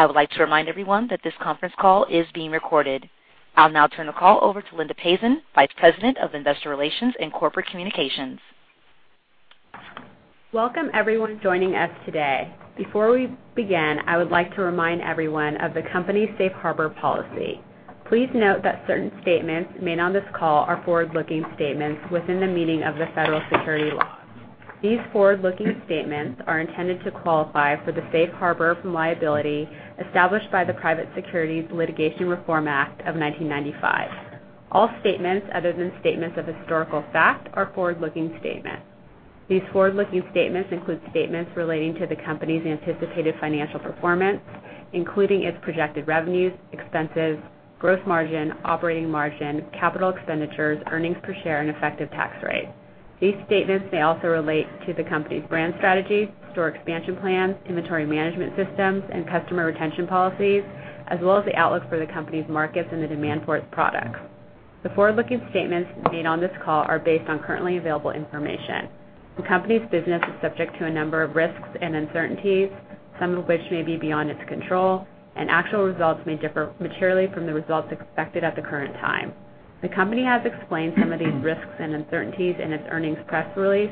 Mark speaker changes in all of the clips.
Speaker 1: I would like to remind everyone that this conference call is being recorded. I'll now turn the call over to Linda Pazin, Vice President of Investor Relations and Corporate Communications.
Speaker 2: Welcome, everyone joining us today. Before we begin, I would like to remind everyone of the company's safe harbor policy. Please note that certain statements made on this call are forward-looking statements within the meaning of the federal securities laws. These forward-looking statements are intended to qualify for the safe harbor from liability established by the Private Securities Litigation Reform Act of 1995. All statements other than statements of historical fact are forward-looking statements. These forward-looking statements include statements relating to the company's anticipated financial performance, including its projected revenues, expenses, gross margin, operating margin, capital expenditures, earnings per share, and effective tax rate. These statements may also relate to the company's brand strategy, store expansion plans, inventory management systems, and customer retention policies, as well as the outlook for the company's markets and the demand for its products. The forward-looking statements made on this call are based on currently available information. The company's business is subject to a number of risks and uncertainties, some of which may be beyond its control, and actual results may differ materially from the results expected at the current time. The company has explained some of these risks and uncertainties in its earnings press release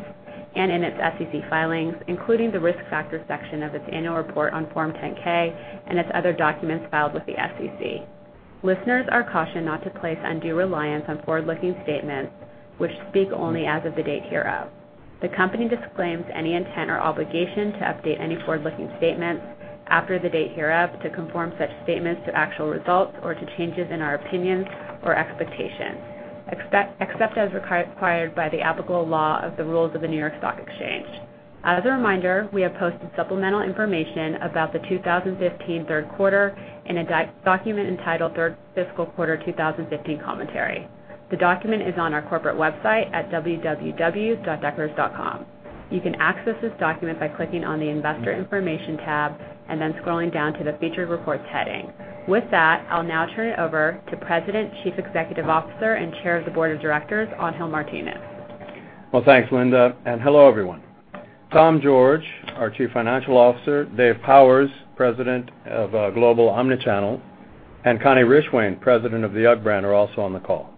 Speaker 2: and in its SEC filings, including the Risk Factors section of its annual report on Form 10-K and its other documents filed with the SEC. Listeners are cautioned not to place undue reliance on forward-looking statements, which speak only as of the date hereof. The company disclaims any intent or obligation to update any forward-looking statements after the date hereof to conform such statements to actual results or to changes in our opinions or expectations, except as required by the applicable law of the rules of the New York Stock Exchange. As a reminder, we have posted supplemental information about the 2015 third quarter in a document entitled Third Fiscal Quarter 2015 Commentary. The document is on our corporate website at www.deckers.com. You can access this document by clicking on the Investor Information tab and then scrolling down to the Featured Reports heading. With that, I'll now turn it over to President, Chief Executive Officer, and Chair of the Board of Directors, Angel Martinez.
Speaker 3: Thanks, Linda. Hello, everyone. Thomas George, our Chief Financial Officer, Dave Powers, President of Global Omnichannel, and Connie Rishwain, President of the UGG brand, are also on the call.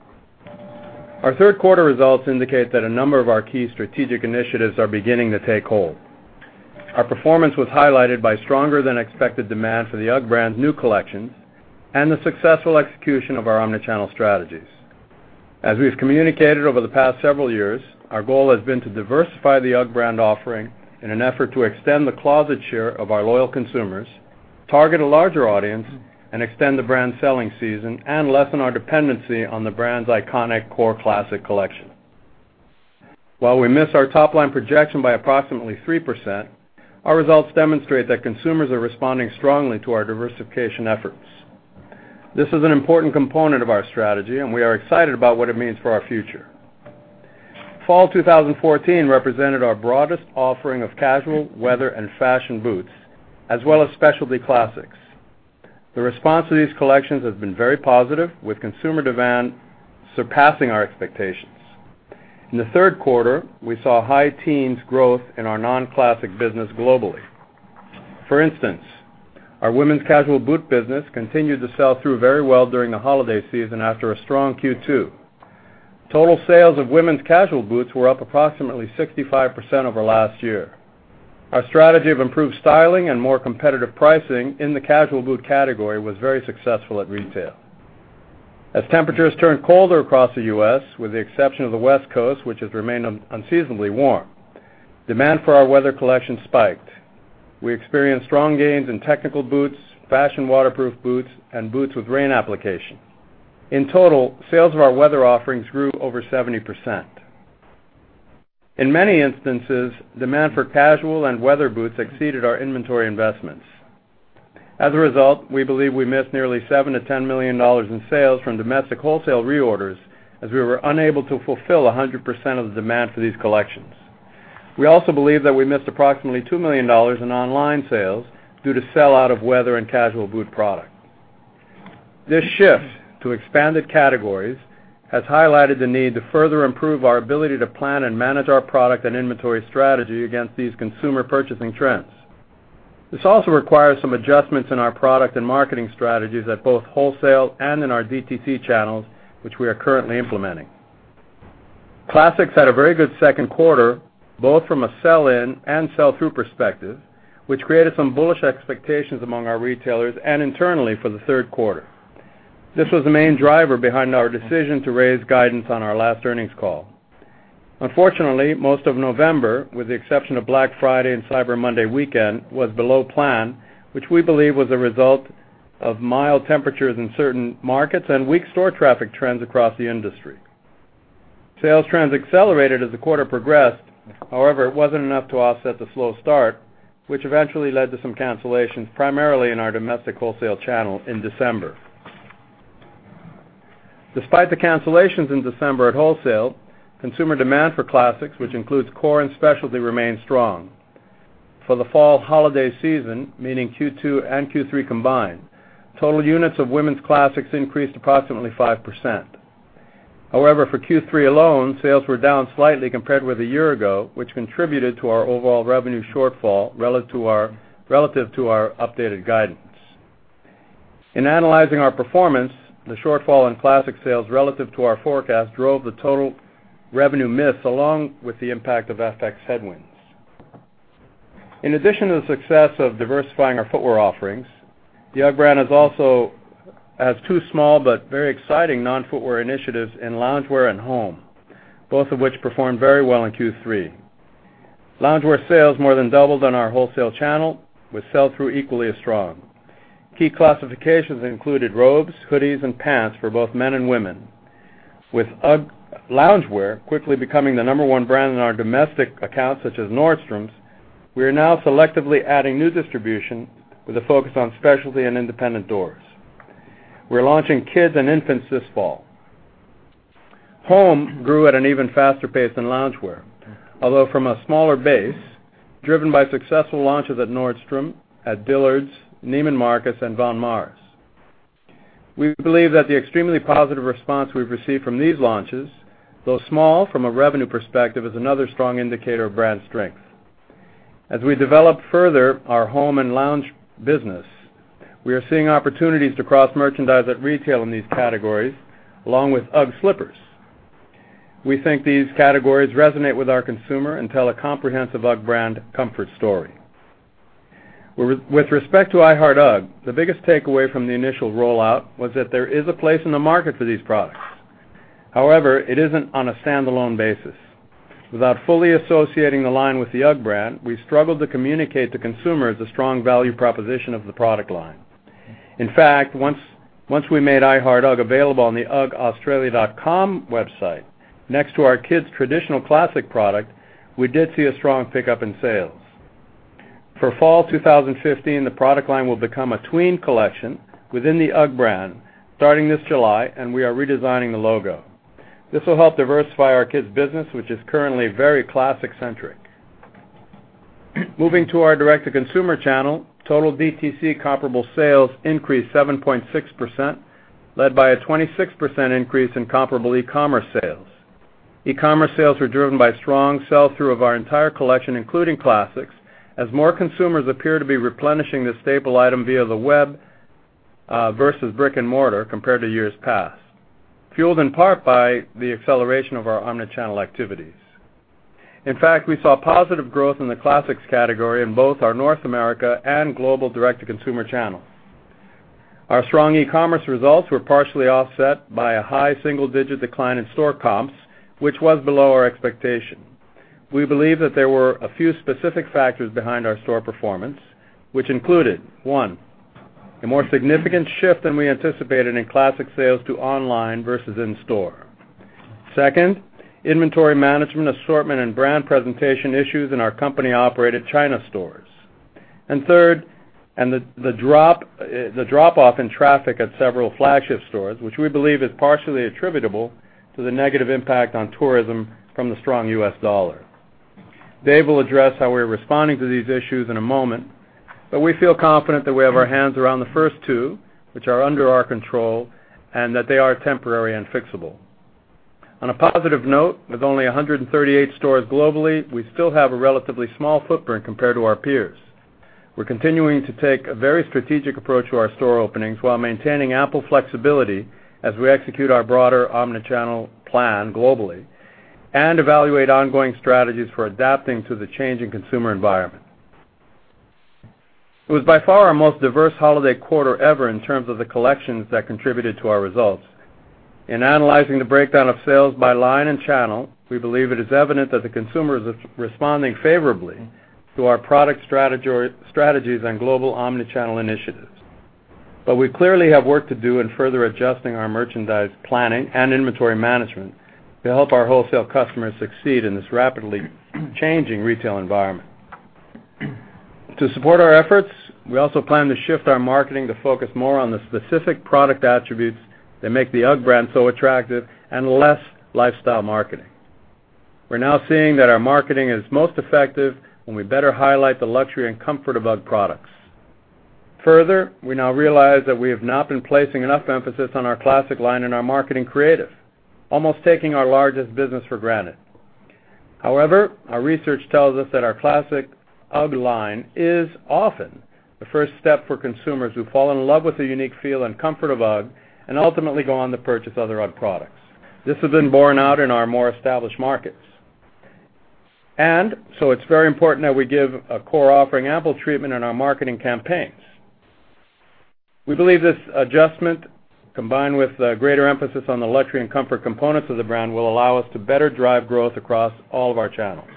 Speaker 3: Our third quarter results indicate that a number of our key strategic initiatives are beginning to take hold. Our performance was highlighted by stronger than expected demand for the UGG brand's new collections and the successful execution of our omnichannel strategies. As we've communicated over the past several years, our goal has been to diversify the UGG brand offering in an effort to extend the closet share of our loyal consumers, target a larger audience, extend the brand's selling season, and lessen our dependency on the brand's iconic core classic collection. While we missed our top-line projection by approximately 3%, our results demonstrate that consumers are responding strongly to our diversification efforts. This is an important component of our strategy. We are excited about what it means for our future. Fall 2014 represented our broadest offering of casual weather and fashion boots, as well as specialty classics. The response to these collections has been very positive, with consumer demand surpassing our expectations. In the third quarter, we saw high teens growth in our non-classic business globally. For instance, our women's casual boot business continued to sell through very well during the holiday season after a strong Q2. Total sales of women's casual boots were up approximately 65% over last year. Our strategy of improved styling and more competitive pricing in the casual boot category was very successful at retail. As temperatures turned colder across the U.S., with the exception of the West Coast, which has remained unseasonably warm, demand for our weather collection spiked. We experienced strong gains in technical boots, fashion waterproof boots, and boots with rain applications. In total, sales of our weather offerings grew over 70%. In many instances, demand for casual and weather boots exceeded our inventory investments. We believe we missed nearly $7 million to $10 million in sales from domestic wholesale reorders, as we were unable to fulfill 100% of the demand for these collections. We also believe that we missed approximately $2 million in online sales due to sell-out of weather and casual boot products. This shift to expanded categories has highlighted the need to further improve our ability to plan and manage our product and inventory strategy against these consumer purchasing trends. This also requires some adjustments in our product and marketing strategies at both wholesale and in our DTC channels, which we are currently implementing. Classics had a very good second quarter, both from a sell-in and sell-through perspective, which created some bullish expectations among our retailers and internally for the third quarter. This was the main driver behind our decision to raise guidance on our last earnings call. Unfortunately, most of November, with the exception of Black Friday and Cyber Monday weekend, was below plan, which we believe was a result of mild temperatures in certain markets and weak store traffic trends across the industry. Sales trends accelerated as the quarter progressed. It wasn't enough to offset the slow start, which eventually led to some cancellations, primarily in our domestic wholesale channel in December. Despite the cancellations in December at wholesale, consumer demand for classics, which includes core and specialty, remained strong. For the fall holiday season, meaning Q2 and Q3 combined, total units of women's classics increased approximately 5%. However, for Q3 alone, sales were down slightly compared with a year ago, which contributed to our overall revenue shortfall relative to our updated guidance. In analyzing our performance, the shortfall in classic sales relative to our forecast drove the total revenue miss, along with the impact of FX headwinds. In addition to the success of diversifying our footwear offerings, the UGG brand also has 2 small but very exciting non-footwear initiatives in loungewear and home, both of which performed very well in Q3. Loungewear sales more than doubled on our wholesale channel, with sell-through equally as strong. Key classifications included robes, hoodies, and pants for both men and women. With UGG loungewear quickly becoming the number 1 brand in our domestic accounts such as Nordstrom, we are now selectively adding new distribution with a focus on specialty and independent doors. We are launching kids and infants this fall. Home grew at an even faster pace than loungewear, although from a smaller base, driven by successful launches at Nordstrom, at Dillard's, Neiman Marcus, and Von Maur. We believe that the extremely positive response we have received from these launches, though small from a revenue perspective, is another strong indicator of brand strength. As we develop further our home and lounge business, we are seeing opportunities to cross-merchandise at retail in these categories, along with UGG slippers. We think these categories resonate with our consumer and tell a comprehensive UGG brand comfort story. With respect to I Heart UGG, the biggest takeaway from the initial rollout was that there is a place in the market for these products. However, it is not on a standalone basis. Without fully associating the line with the UGG brand, we struggled to communicate to consumers the strong value proposition of the product line. In fact, once we made I Heart UGG available on the uggaustralia.com website next to our kids' traditional classic product, we did see a strong pickup in sales. For fall 2015, the product line will become a tween collection within the UGG brand starting this July, and we are redesigning the logo. This will help diversify our kids business, which is currently very classic-centric. Moving to our direct-to-consumer channel, total DTC comparable sales increased 7.6%, led by a 26% increase in comparable e-commerce sales. E-commerce sales were driven by strong sell-through of our entire collection, including classics, as more consumers appear to be replenishing the staple item via the web versus brick and mortar compared to years past, fueled in part by the acceleration of our omni-channel activities. In fact, we saw positive growth in the classics category in both our North America and global direct-to-consumer channels. Our strong e-commerce results were partially offset by a high single-digit decline in store comps, which was below our expectation. We believe that there were a few specific factors behind our store performance, which included, 1, a more significant shift than we anticipated in classic sales to online versus in-store. 2, inventory management assortment and brand presentation issues in our company-operated China stores. 3, the drop-off in traffic at several flagship stores, which we believe is partially attributable to the negative impact on tourism from the strong U.S. dollar. Dave will address how we are responding to these issues in a moment, but we feel confident that we have our hands around the first 2, which are under our control, and that they are temporary and fixable. On a positive note, with only 138 stores globally, we still have a relatively small footprint compared to our peers. We're continuing to take a very strategic approach to our store openings while maintaining ample flexibility as we execute our broader omnichannel plan globally and evaluate ongoing strategies for adapting to the changing consumer environment. It was by far our most diverse holiday quarter ever in terms of the collections that contributed to our results. In analyzing the breakdown of sales by line and channel, we believe it is evident that the consumers are responding favorably to our product strategies and global omnichannel initiatives. We clearly have work to do in further adjusting our merchandise planning and inventory management to help our wholesale customers succeed in this rapidly changing retail environment. To support our efforts, we also plan to shift our marketing to focus more on the specific product attributes that make the UGG brand so attractive and less lifestyle marketing. We're now seeing that our marketing is most effective when we better highlight the luxury and comfort of UGG products. Further, we now realize that we have not been placing enough emphasis on our classic line in our marketing creative, almost taking our largest business for granted. However, our research tells us that our classic UGG line is often the first step for consumers who fall in love with the unique feel and comfort of UGG and ultimately go on to purchase other UGG products. This has been borne out in our more established markets. It's very important that we give a core offering ample treatment in our marketing campaigns. We believe this adjustment, combined with a greater emphasis on the luxury and comfort components of the brand, will allow us to better drive growth across all of our channels.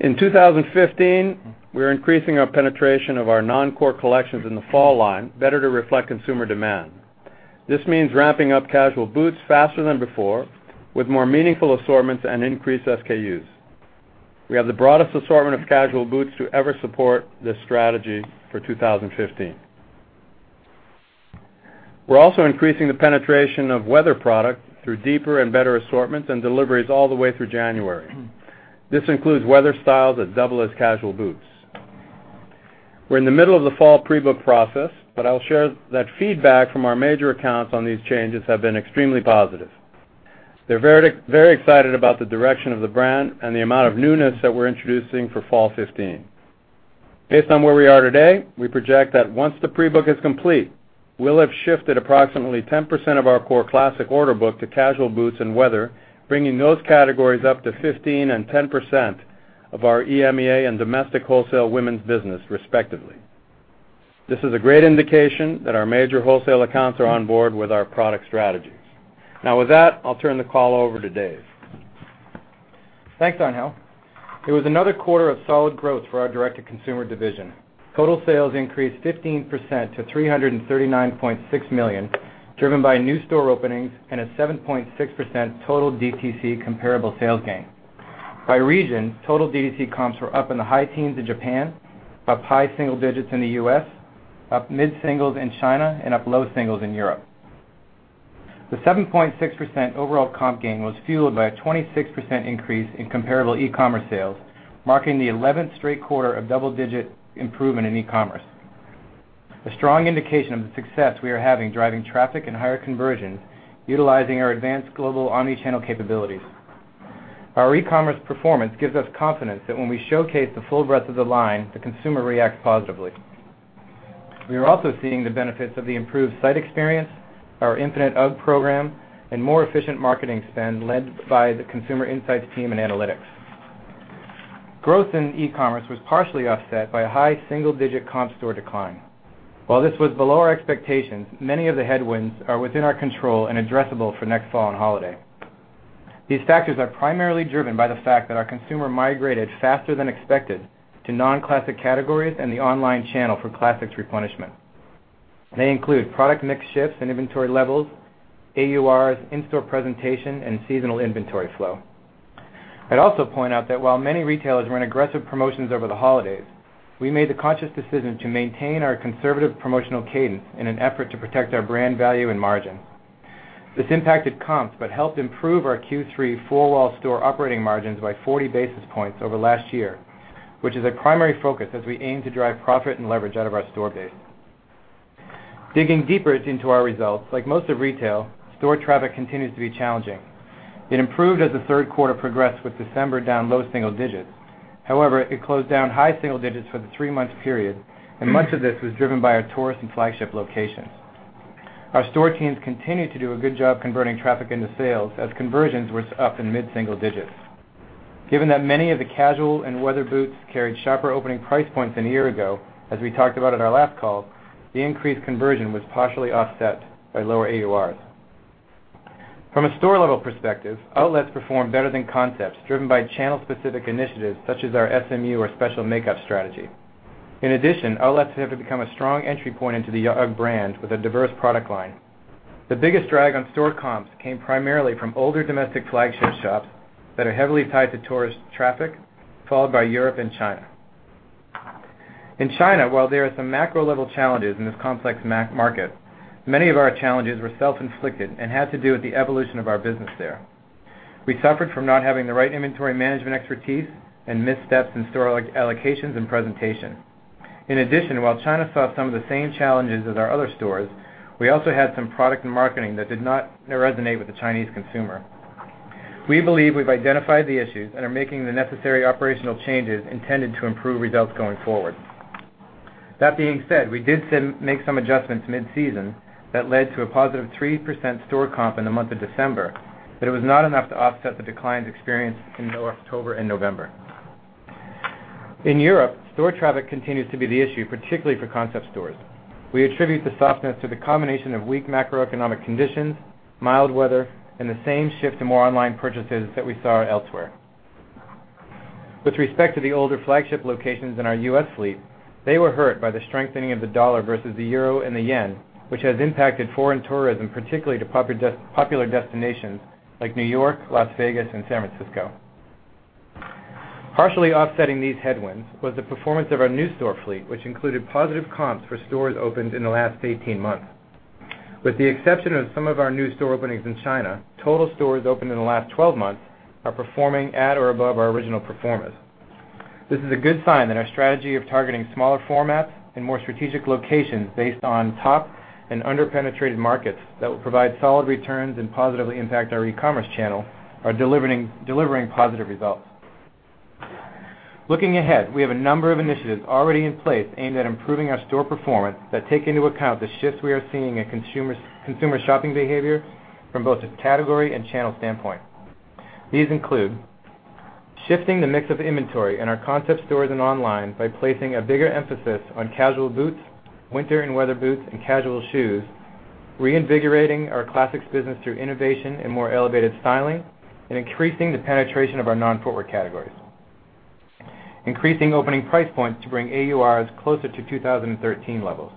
Speaker 3: In 2015, we're increasing our penetration of our non-core collections in the fall line better to reflect consumer demand. This means ramping up casual boots faster than before with more meaningful assortments and increased SKUs. We have the broadest assortment of casual boots to ever support this strategy for 2015. We're also increasing the penetration of weather product through deeper and better assortments and deliveries all the way through January. This includes weather styles that double as casual boots. We're in the middle of the fall pre-book process, but I'll share that feedback from our major accounts on these changes have been extremely positive. They're very excited about the direction of the brand and the amount of newness that we're introducing for fall 2015. Based on where we are today, we project that once the pre-book is complete, we'll have shifted approximately 10% of our core classic order book to casual boots and weather, bringing those categories up to 15% and 10% of our EMEA and domestic wholesale women's business, respectively. This is a great indication that our major wholesale accounts are on board with our product strategies. With that, I'll turn the call over to Dave.
Speaker 4: Thanks, Angel. It was another quarter of solid growth for our direct-to-consumer division. Total sales increased 15% to $339.6 million, driven by new store openings and a 7.6% total DTC comparable sales gain. By region, total DTC comps were up in the high teens in Japan, up high single digits in the U.S., up mid-singles in China, and up low singles in Europe. The 7.6% overall comp gain was fueled by a 26% increase in comparable e-commerce sales, marking the 11th straight quarter of double-digit improvement in e-commerce. A strong indication of the success we are having driving traffic and higher conversion utilizing our advanced global omnichannel capabilities. Our e-commerce performance gives us confidence that when we showcase the full breadth of the line, the consumer reacts positively. We are also seeing the benefits of the improved site experience, our Infinite UGG program, and more efficient marketing spend led by the consumer insights team and analytics. Growth in e-commerce was partially offset by a high single-digit comp store decline. While this was below our expectations, many of the headwinds are within our control and addressable for next fall and holiday. These factors are primarily driven by the fact that our consumer migrated faster than expected to non-classic categories and the online channel for classics replenishment. They include product mix shifts and inventory levels, AURs, in-store presentation, and seasonal inventory flow. I'd also point out that while many retailers run aggressive promotions over the holidays, we made the conscious decision to maintain our conservative promotional cadence in an effort to protect our brand value and margin. This impacted comps, but helped improve our Q3 full-wall store operating margins by 40 basis points over last year, which is a primary focus as we aim to drive profit and leverage out of our store base. Digging deeper into our results, like most of retail, store traffic continues to be challenging. It improved as the third quarter progressed, with December down low single digits. However, it closed down high single digits for the three-month period, much of this was driven by our tourist and flagship locations. Our store teams continued to do a good job converting traffic into sales, as conversions were up in mid-single digits. Given that many of the casual and weather boots carried sharper opening price points than a year ago, as we talked about at our last call, the increased conversion was partially offset by lower AURs. From a store-level perspective, outlets performed better than concepts driven by channel-specific initiatives such as our SMU or special makeup strategy. In addition, outlets have become a strong entry point into the UGG brand with a diverse product line. The biggest drag on store comps came primarily from older domestic flagship shops that are heavily tied to tourist traffic, followed by Europe and China. In China, while there are some macro-level challenges in this complex market, many of our challenges were self-inflicted and had to do with the evolution of our business there. We suffered from not having the right inventory management expertise and missteps in store allocations and presentation. In addition, while China saw some of the same challenges as our other stores, we also had some product and marketing that did not resonate with the Chinese consumer. We believe we've identified the issues and are making the necessary operational changes intended to improve results going forward. That being said, we did make some adjustments mid-season that led to a positive 3% store comp in the month of December, but it was not enough to offset the declines experienced in October and November. In Europe, store traffic continues to be the issue, particularly for concept stores. We attribute the softness to the combination of weak macroeconomic conditions, mild weather, and the same shift to more online purchases that we saw elsewhere. With respect to the older flagship locations in our U.S. fleet, they were hurt by the strengthening of the dollar versus the euro and the yen, which has impacted foreign tourism, particularly to popular destinations like New York, Las Vegas, and San Francisco. Partially offsetting these headwinds was the performance of our new store fleet, which included positive comps for stores opened in the last 18 months. With the exception of some of our new store openings in China, total stores opened in the last 12 months are performing at or above our original performance. This is a good sign that our strategy of targeting smaller formats and more strategic locations based on top and under-penetrated markets that will provide solid returns and positively impact our e-commerce channel are delivering positive results. Looking ahead, we have a number of initiatives already in place aimed at improving our store performance that take into account the shifts we are seeing in consumer shopping behavior from both a category and channel standpoint. These include shifting the mix of inventory in our concept stores and online by placing a bigger emphasis on casual boots, winter and weather boots, and casual shoes, reinvigorating our classics business through innovation and more elevated styling, and increasing the penetration of our non-footwear categories. Increasing opening price points to bring AURs closer to 2013 levels.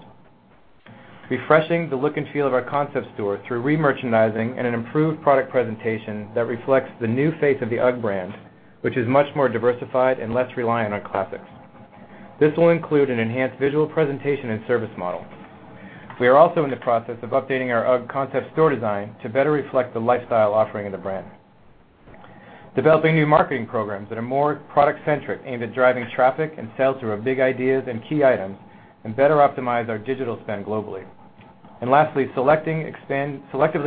Speaker 4: Refreshing the look and feel of our concept store through re-merchandising and an improved product presentation that reflects the new face of the UGG brand, which is much more diversified and less reliant on classics. This will include an enhanced visual presentation and service model. We are also in the process of updating our UGG concept store design to better reflect the lifestyle offering of the brand. Developing new marketing programs that are more product-centric, aimed at driving traffic and sales through our big ideas and key items, and better optimize our digital spend globally. Lastly, selectively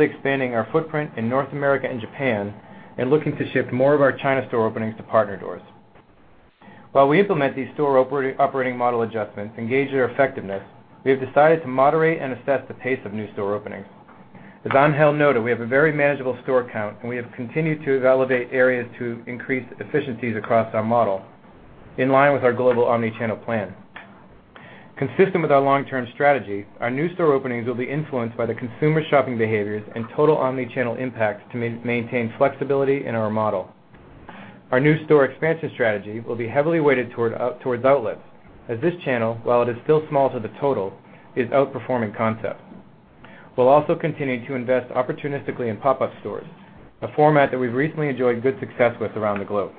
Speaker 4: expanding our footprint in North America and Japan and looking to shift more of our China store openings to partner doors. While we implement these store operating model adjustments, engage their effectiveness, we have decided to moderate and assess the pace of new store openings. As Angel noted, we have a very manageable store count, and we have continued to evaluate areas to increase efficiencies across our model, in line with our global omni-channel plan. Consistent with our long-term strategy, our new store openings will be influenced by the consumer shopping behaviors and total omni-channel impacts to maintain flexibility in our model. Our new store expansion strategy will be heavily weighted towards outlets, as this channel, while it is still small to the total, is outperforming concept. We'll also continue to invest opportunistically in pop-up stores, a format that we've recently enjoyed good success with around the globe.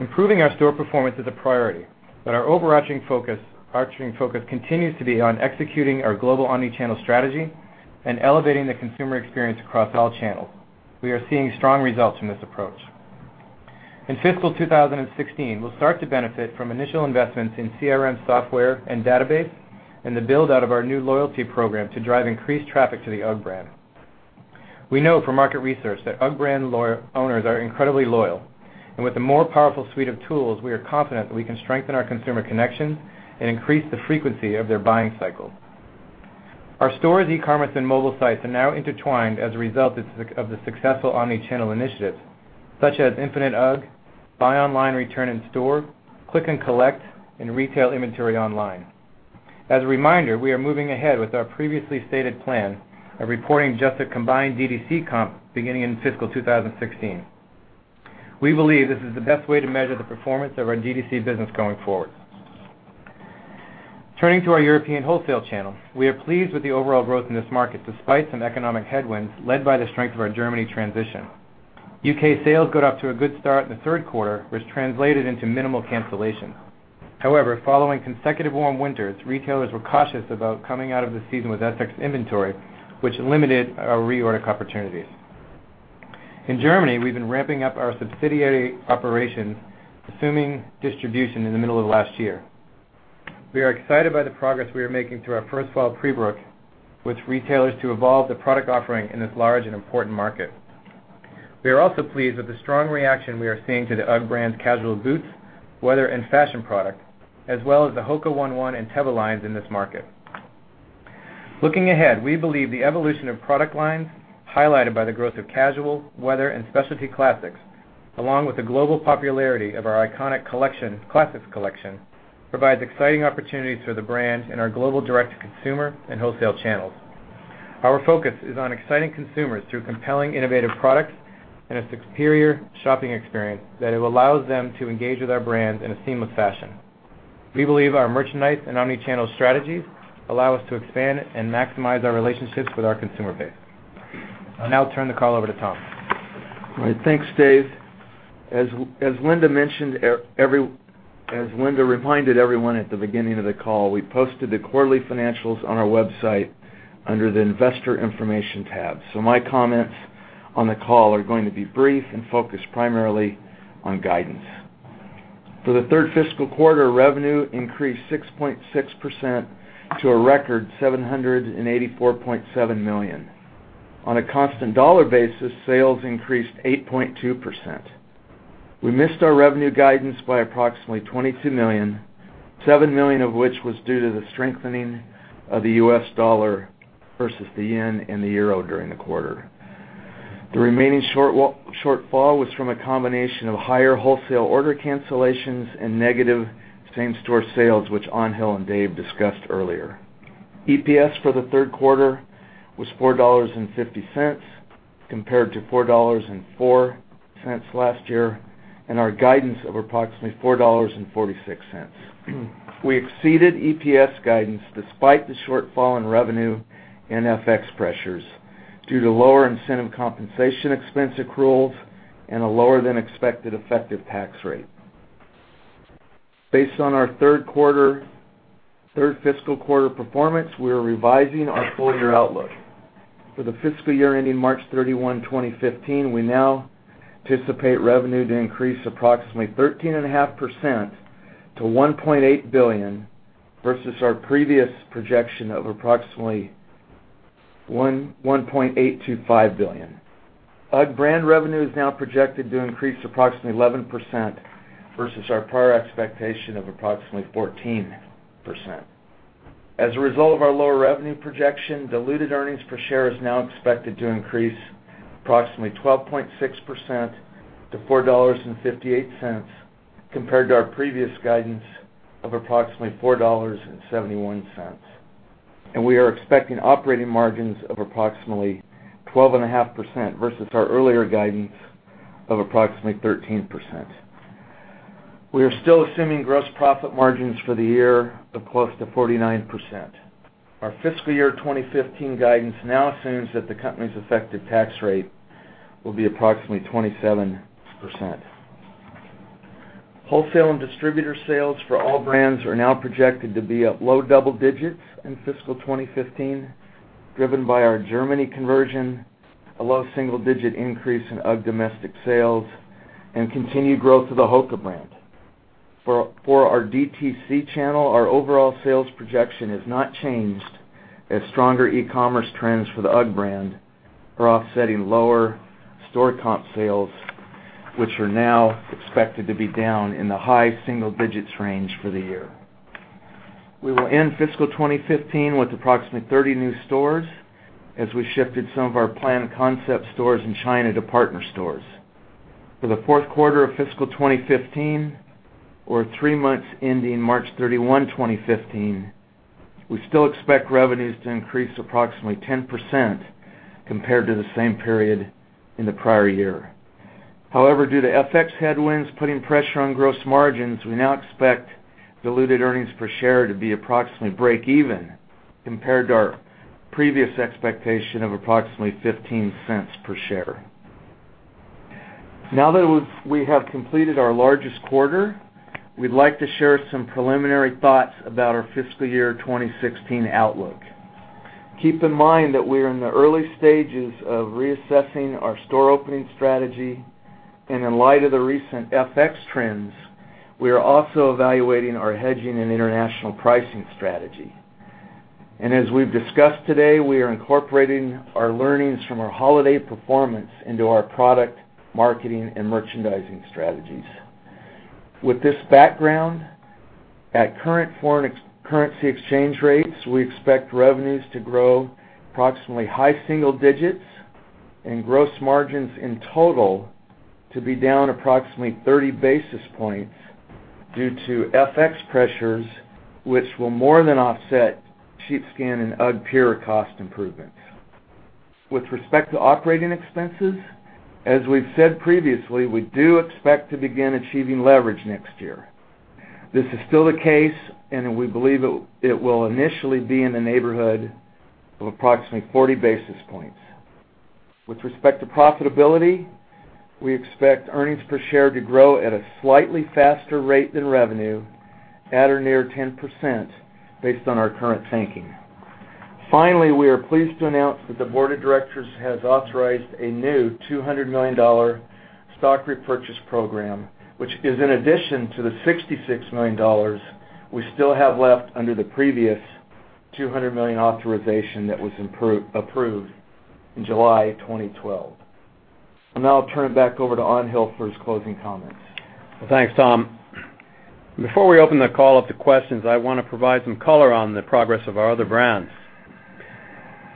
Speaker 4: Improving our store performance is a priority, but our overarching focus continues to be on executing our global omni-channel strategy and elevating the consumer experience across all channels. We are seeing strong results from this approach. In fiscal 2016, we'll start to benefit from initial investments in CRM software and database and the build-out of our new loyalty program to drive increased traffic to the UGG brand. We know from market research that UGG brand owners are incredibly loyal, and with a more powerful suite of tools, we are confident that we can strengthen our consumer connections and increase the frequency of their buying cycle. Our stores' e-commerce and mobile sites are now intertwined as a result of the successful omni-channel initiatives such as Infinite UGG, buy online, return in store, click and collect, and retail inventory online. As a reminder, we are moving ahead with our previously stated plan of reporting just a combined DTC comp beginning in fiscal 2016. We believe this is the best way to measure the performance of our DTC business going forward. Turning to our European wholesale channel, we are pleased with the overall growth in this market despite some economic headwinds led by the strength of our Germany transition. U.K. sales got off to a good start in the third quarter, which translated into minimal cancellation. However, following consecutive warm winters, retailers were cautious about coming out of the season with FX inventory, which limited our reorder opportunities. In Germany, we've been ramping up our subsidiary operations, assuming distribution in the middle of last year. We are excited by the progress we are making through our first fall pre-book with retailers to evolve the product offering in this large and important market. We are also pleased with the strong reaction we are seeing to the UGG brand's casual boots, weather, and fashion product, as well as the HOKA ONE ONE and Teva lines in this market. Looking ahead, we believe the evolution of product lines, highlighted by the growth of casual, weather, and specialty classics, along with the global popularity of our iconic classics collection, provides exciting opportunities for the brand in our global direct-to-consumer and wholesale channels. Our focus is on exciting consumers through compelling, innovative products and a superior shopping experience that it allows them to engage with our brand in a seamless fashion. We believe our merchandise and omni-channel strategies allow us to expand and maximize our relationships with our consumer base. I'll now turn the call over to Tom.
Speaker 5: All right. Thanks, Dave. As Linda reminded everyone at the beginning of the call, we posted the quarterly financials on our website under the investor information tab. My comments on the call are going to be brief and focused primarily on guidance. For the third fiscal quarter, revenue increased 6.6% to a record $784.7 million. On a constant dollar basis, sales increased 8.2%. We missed our revenue guidance by approximately $22 million, $7 million of which was due to the strengthening of the U.S. dollar versus the yen and the euro during the quarter. The remaining shortfall was from a combination of higher wholesale order cancellations and negative same-store sales, which Angel and Dave discussed earlier. EPS for the third quarter was $4.50 compared to $4.04 last year, and our guidance of approximately $4.46. We exceeded EPS guidance despite the shortfall in revenue and FX pressures due to lower incentive compensation expense accruals and a lower-than-expected effective tax rate. Based on our third fiscal quarter performance, we are revising our full-year outlook. For the fiscal year ending March 31, 2015, we now anticipate revenue to increase approximately 13.5% to $1.8 billion, versus our previous projection of approximately $1.825 billion. UGG brand revenue is now projected to increase approximately 11% versus our prior expectation of approximately 14%. As a result of our lower revenue projection, diluted earnings per share is now expected to increase approximately 12.6% to $4.58, compared to our previous guidance of approximately $4.71. We are expecting operating margins of approximately 12.5% versus our earlier guidance of approximately 13%. We are still assuming gross profit margins for the year of close to 49%. Our fiscal year 2015 guidance now assumes that the company's effective tax rate will be approximately 27%. Wholesale and distributor sales for all brands are now projected to be up low double digits in fiscal 2015, driven by our Germany conversion, a low single-digit increase in UGG domestic sales, and continued growth of the HOKA brand. For our DTC channel, our overall sales projection has not changed as stronger e-commerce trends for the UGG brand are offsetting lower store comp sales, which are now expected to be down in the high single digits range for the year. We will end fiscal 2015 with approximately 30 new stores as we shifted some of our planned concept stores in China to partner stores. For the fourth quarter of fiscal 2015 or three months ending March 31, 2015, we still expect revenues to increase approximately 10% compared to the same period in the prior year. However, due to FX headwinds putting pressure on gross margins, we now expect diluted earnings per share to be approximately breakeven compared to our previous expectation of approximately $0.15 per share. Now that we have completed our largest quarter, we'd like to share some preliminary thoughts about our fiscal year 2016 outlook. Keep in mind that we're in the early stages of reassessing our store opening strategy, and in light of the recent FX trends, we are also evaluating our hedging and international pricing strategy. As we've discussed today, we are incorporating our learnings from our holiday performance into our product, marketing, and merchandising strategies. With this background, at current foreign currency exchange rates, we expect revenues to grow approximately high single digits and gross margins in total to be down approximately 30 basis points due to FX pressures, which will more than offset sheepskin and UGGpure cost improvements. With respect to operating expenses, as we've said previously, we do expect to begin achieving leverage next year. This is still the case, and we believe it will initially be in the neighborhood of approximately 40 basis points. With respect to profitability, we expect earnings per share to grow at a slightly faster rate than revenue at or near 10% based on our current thinking. We are pleased to announce that the board of directors has authorized a new $200 million stock repurchase program, which is in addition to the $66 million we still have left under the previous $200 million authorization that was approved in July 2012. Now I'll turn it back over to Angel for his closing comments.
Speaker 3: Well, thanks, Tom. Before we open the call up to questions, I want to provide some color on the progress of our other brands.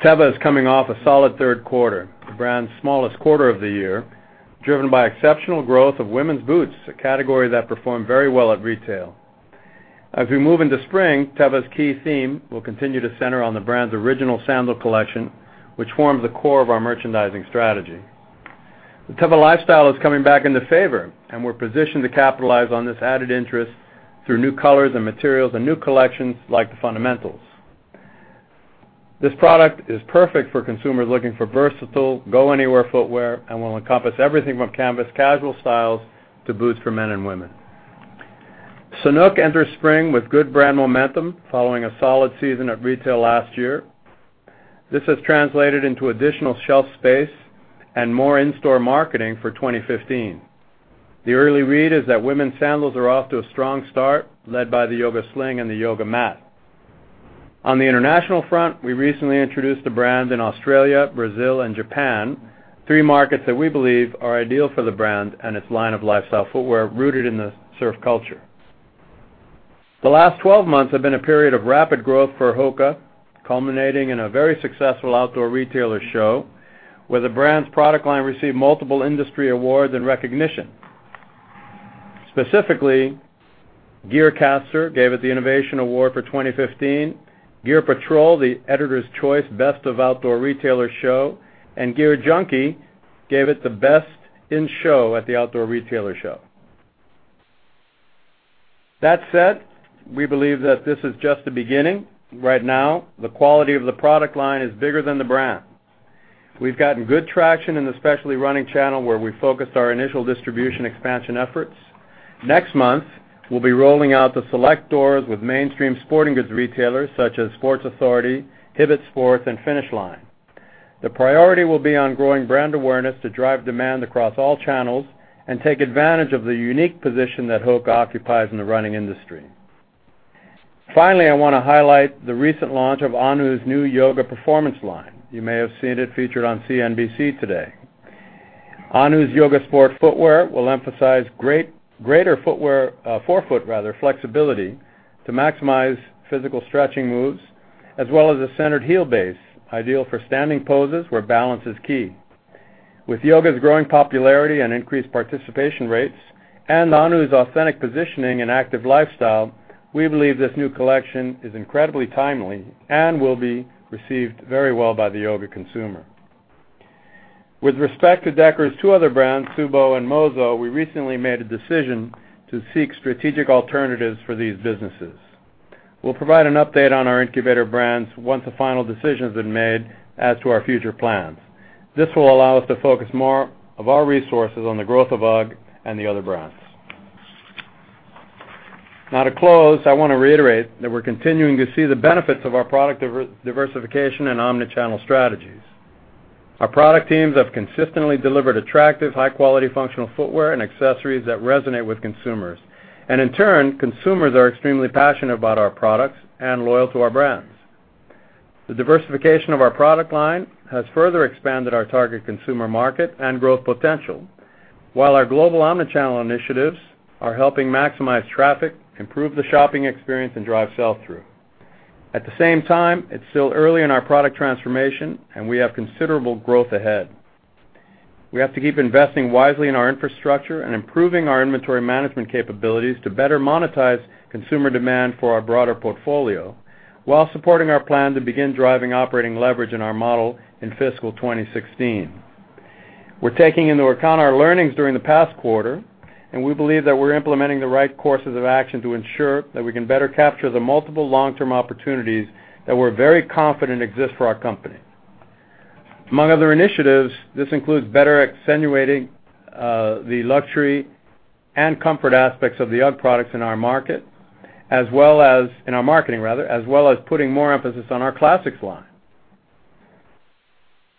Speaker 3: Teva is coming off a solid third quarter, the brand's smallest quarter of the year, driven by exceptional growth of women's boots, a category that performed very well at retail. As we move into spring, Teva's key theme will continue to center on the brand's original sandal collection, which forms the core of our merchandising strategy. The Teva lifestyle is coming back into favor, and we're positioned to capitalize on this added interest through new colors and materials and new collections like the Fundamentals. This product is perfect for consumers looking for versatile, go-anywhere footwear and will encompass everything from canvas casual styles to boots for men and women. Sanuk enters spring with good brand momentum following a solid season at retail last year. This has translated into additional shelf space and more in-store marketing for 2015. The early read is that women's sandals are off to a strong start, led by the Yoga Sling and the Yoga Mat. On the international front, we recently introduced the brand in Australia, Brazil, and Japan, three markets that we believe are ideal for the brand and its line of lifestyle footwear rooted in the surf culture. The last 12 months have been a period of rapid growth for HOKA, culminating in a very successful Outdoor Retailer show, where the brand's product line received multiple industry awards and recognition. Specifically, Gearcaster gave it the Innovation Award for 2015, Gear Patrol, the Editor's Choice Best of Outdoor Retailer Show, and Gear Junkie gave it the Best in Show at the Outdoor Retailer show. That said, we believe that this is just the beginning. Right now, the quality of the product line is bigger than the brand. We've gotten good traction in the specialty running channel where we focused our initial distribution expansion efforts. Next month, we'll be rolling out to select stores with mainstream sporting goods retailers such as Sports Authority, Hibbett Sports, and Finish Line. The priority will be on growing brand awareness to drive demand across all channels and take advantage of the unique position that HOKA occupies in the running industry. Finally, I want to highlight the recent launch of Ahnu's new yoga performance line. You may have seen it featured on CNBC today. Ahnu's yoga sport footwear will emphasize greater forefoot flexibility to maximize physical stretching moves as well as a centered heel base, ideal for standing poses where balance is key. With yoga's growing popularity and increased participation rates and Ahnu's authentic positioning and active lifestyle, we believe this new collection is incredibly timely and will be received very well by the yoga consumer. With respect to Deckers' two other brands, Tsubo and Mozo, we recently made a decision to seek strategic alternatives for these businesses. We'll provide an update on our incubator brands once a final decision's been made as to our future plans. This will allow us to focus more of our resources on the growth of UGG and the other brands. In turn, consumers are extremely passionate about our products and loyal to our brands. The diversification of our product line has further expanded our target consumer market and growth potential, while our global omnichannel initiatives are helping maximize traffic, improve the shopping experience, and drive sell-through. At the same time, it's still early in our product transformation and we have considerable growth ahead. We have to keep investing wisely in our infrastructure and improving our inventory management capabilities to better monetize consumer demand for our broader portfolio while supporting our plan to begin driving operating leverage in our model in fiscal 2016. We're taking into account our learnings during the past quarter, and we believe that we're implementing the right courses of action to ensure that we can better capture the multiple long-term opportunities that we're very confident exist for our company. Among other initiatives, this includes better accentuating the luxury and comfort aspects of the UGG products in our marketing, as well as putting more emphasis on our classics line.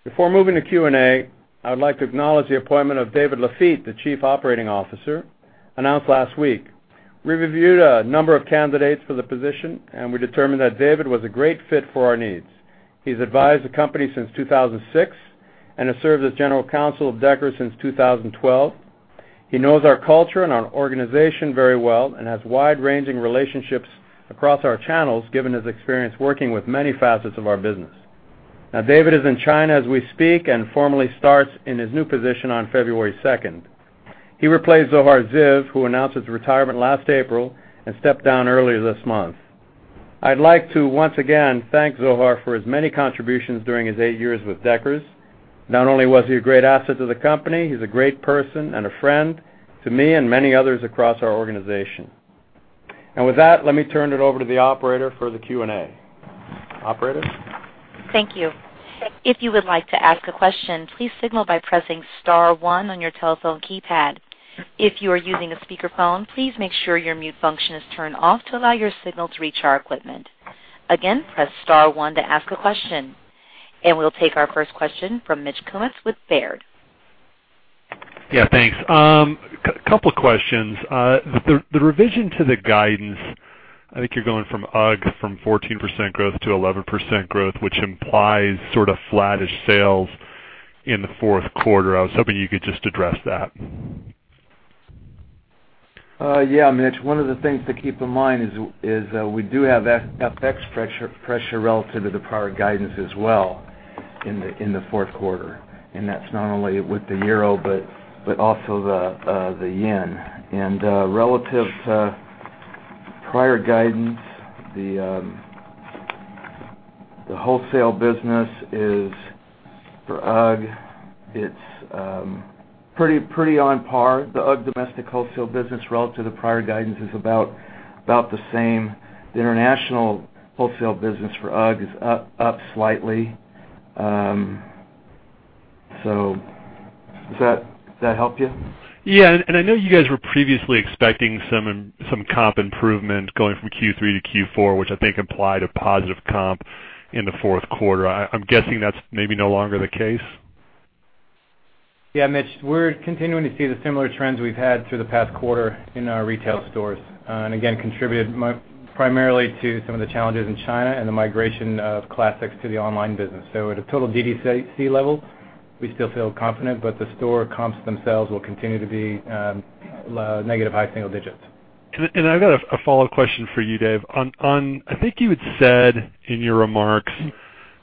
Speaker 3: Before moving to Q&A, I would like to acknowledge the appointment of David Lafitte, the Chief Operating Officer, announced last week. We reviewed a number of candidates for the position, and we determined that David was a great fit for our needs. He's advised the company since 2006 and has served as General Counsel of Deckers since 2012. He knows our culture and our organization very well and has wide-ranging relationships across our channels, given his experience working with many facets of our business. David is in China as we speak and formally starts in his new position on February 2nd. He replaced Zohar Ziv, who announced his retirement last April and stepped down earlier this month. I'd like to once again thank Zohar for his many contributions during his eight years with Deckers. Not only was he a great asset to the company, he's a great person and a friend to me and many others across our organization. With that, let me turn it over to the operator for the Q&A. Operator?
Speaker 1: Thank you. If you would like to ask a question, please signal by pressing star one on your telephone keypad. If you are using a speakerphone, please make sure your mute function is turned off to allow your signal to reach our equipment. Again, press star one to ask a question. We'll take our first question from Mitch Kummetz with Baird.
Speaker 6: Yeah, thanks. Couple questions. The revision to the guidance, I think you're going from UGG from 14% growth to 11% growth, which implies sort of flattish sales in the fourth quarter. I was hoping you could just address that.
Speaker 3: Yeah, Mitch, one of the things to keep in mind is we do have FX pressure relative to the prior guidance as well in the fourth quarter. That's not only with the euro but also the yen. Relative to prior guidance, the wholesale business for UGG, it's pretty on par. The UGG domestic wholesale business relative to the prior guidance is about the same. The international wholesale business for UGG is up slightly. Does that help you?
Speaker 6: I know you guys were previously expecting some comp improvement going from Q3 to Q4, which I think implied a positive comp in the fourth quarter. I'm guessing that's maybe no longer the case?
Speaker 4: Yeah, Mitch, we're continuing to see the similar trends we've had through the past quarter in our retail stores. Again, contributed primarily to some of the challenges in China and the migration of classics to the online business. At a total DTC level, we still feel confident, but the store comps themselves will continue to be negative high single digits.
Speaker 6: I've got a follow-up question for you, Dave. I think you had said in your remarks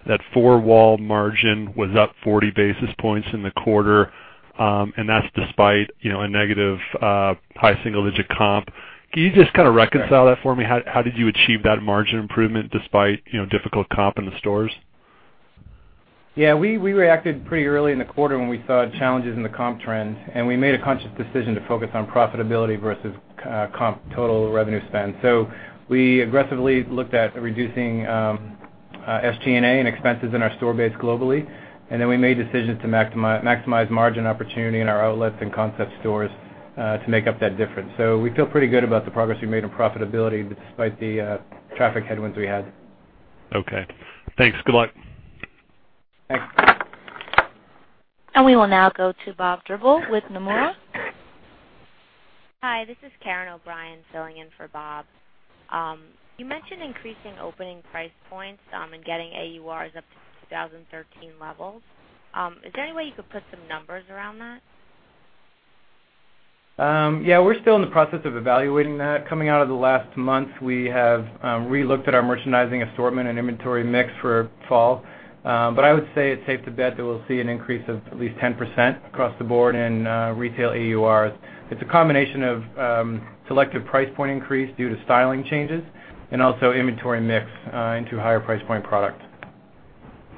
Speaker 6: that four-wall margin was up 40 basis points in the quarter, and that's despite a negative high single-digit comp. Can you just kind of reconcile that for me? How did you achieve that margin improvement despite difficult comp in the stores?
Speaker 4: Yeah, we reacted pretty early in the quarter when we saw challenges in the comp trends, we made a conscious decision to focus on profitability versus comp total revenue spend. We aggressively looked at reducing SG&A and expenses in our store base globally, then we made decisions to maximize margin opportunity in our outlets and concept stores to make up that difference. We feel pretty good about the progress we made on profitability despite the traffic headwinds we had.
Speaker 6: Okay. Thanks. Good luck.
Speaker 3: Thanks.
Speaker 1: We will now go to Bob Drbul with Nomura.
Speaker 7: Hi, this is Karen O'Brien filling in for Bob. You mentioned increasing opening price points and getting AURs up to 2013 levels. Is there any way you could put some numbers around that?
Speaker 4: Yeah, we're still in the process of evaluating that. Coming out of the last month, we have re-looked at our merchandising assortment and inventory mix for fall. I would say it's safe to bet that we'll see an increase of at least 10% across the board in retail AUR. It's a combination of selective price point increase due to styling changes and also inventory mix into higher price point product.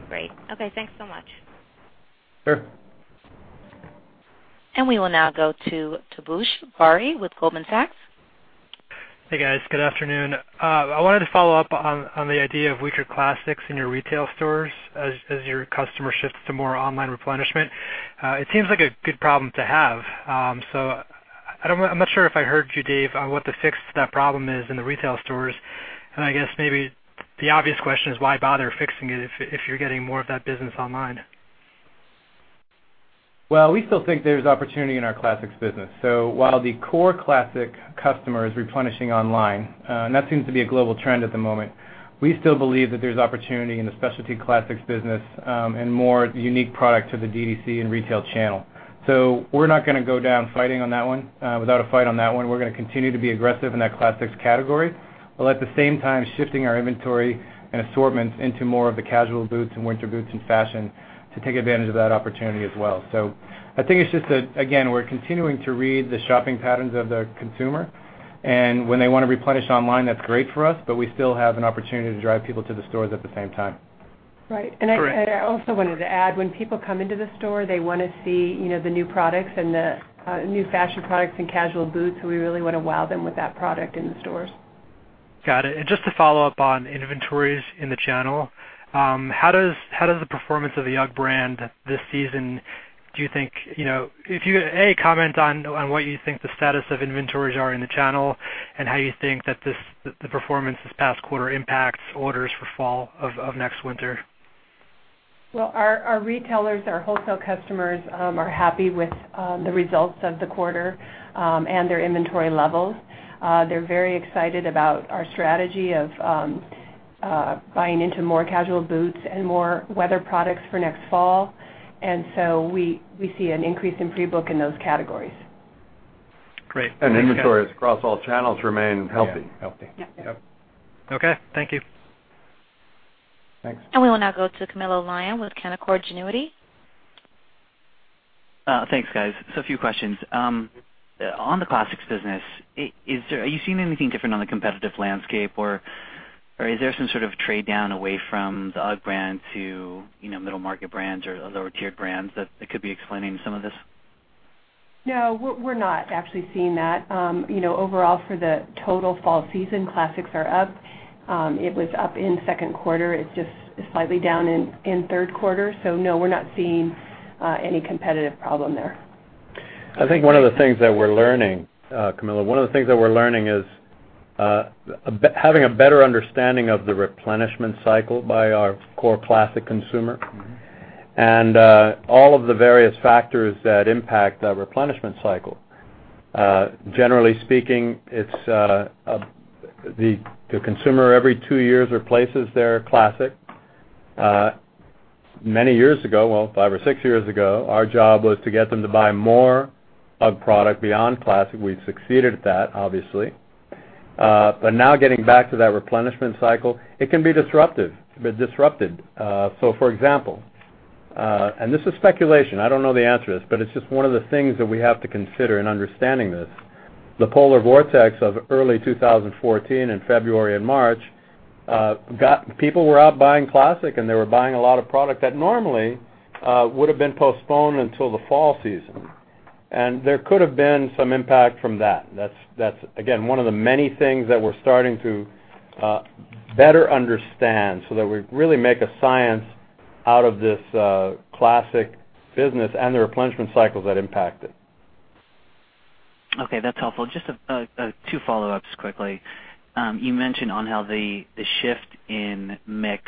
Speaker 7: Great. Okay, thanks so much.
Speaker 3: Sure.
Speaker 1: We will now go to Taposh Bari with Goldman Sachs.
Speaker 8: Hey, guys. Good afternoon. I wanted to follow up on the idea of weaker classics in your retail stores as your customer shifts to more online replenishment. It seems like a good problem to have. I'm not sure if I heard you, Dave, on what the fix to that problem is in the retail stores. I guess maybe the obvious question is why bother fixing it if you're getting more of that business online?
Speaker 4: Well, we still think there's opportunity in our classics business. While the core classic customer is replenishing online, and that seems to be a global trend at the moment, we still believe that there's opportunity in the specialty classics business, and more unique product to the DTC and retail channel. We're not going to go down without a fight on that one. We're going to continue to be aggressive in that classics category, while at the same time shifting our inventory and assortments into more of the casual boots and winter boots and fashion to take advantage of that opportunity as well. I think it's just that, again, we're continuing to read the shopping patterns of the consumer, and when they want to replenish online, that's great for us, but we still have an opportunity to drive people to the stores at the same time.
Speaker 9: Right.
Speaker 8: Correct.
Speaker 9: I also wanted to add, when people come into the store, they want to see the new products and the new fashion products and casual boots, we really want to wow them with that product in the stores.
Speaker 8: Got it. Just to follow up on inventories in the channel, how does the performance of the UGG brand this season, if you, A, comment on what you think the status of inventories are in the channel and how you think that the performance this past quarter impacts orders for fall of next winter?
Speaker 9: Our retailers, our wholesale customers, are happy with the results of the quarter, and their inventory levels. They're very excited about our strategy of buying into more casual boots and more weather products for next fall. We see an increase in pre-book in those categories.
Speaker 8: Great.
Speaker 4: Inventories across all channels remain healthy. Yeah. Healthy.
Speaker 9: Yep.
Speaker 4: Yep.
Speaker 8: Okay. Thank you.
Speaker 4: Thanks.
Speaker 1: We will now go to Camilo Lyon with Canaccord Genuity.
Speaker 10: Thanks, guys. A few questions. On the classics business, are you seeing anything different on the competitive landscape, or is there some sort of trade down away from the UGG brand to middle market brands or other lower tier brands that could be explaining some of this?
Speaker 9: No, we're not actually seeing that. Overall for the total fall season, classics are up. It was up in second quarter. It's just slightly down in third quarter. No, we're not seeing any competitive problem there.
Speaker 4: I think one of the things that we're learning, Camilo, one of the things that we're learning is having a better understanding of the replenishment cycle by our core classic consumer and all of the various factors that impact the replenishment cycle. Generally speaking, the consumer every two years replaces their classic. Many years ago, well, five or six years ago, our job was to get them to buy more UGG product beyond classic. We've succeeded at that, obviously. Now getting back to that replenishment cycle, it can be disrupted. For example, and this is speculation, I don't know the answer to this, but it's just one of the things that we have to consider in understanding this. The polar vortex of early 2014 in February and March, people were out buying classic, and they were buying a lot of product that normally would've been postponed until the fall season. There could have been some impact from that. That's, again, one of the many things that we're starting to better understand so that we really make a science out of this classic business and the replenishment cycles that impact it.
Speaker 10: Okay. That's helpful. Just two follow-ups quickly. You mentioned on how the shift in mix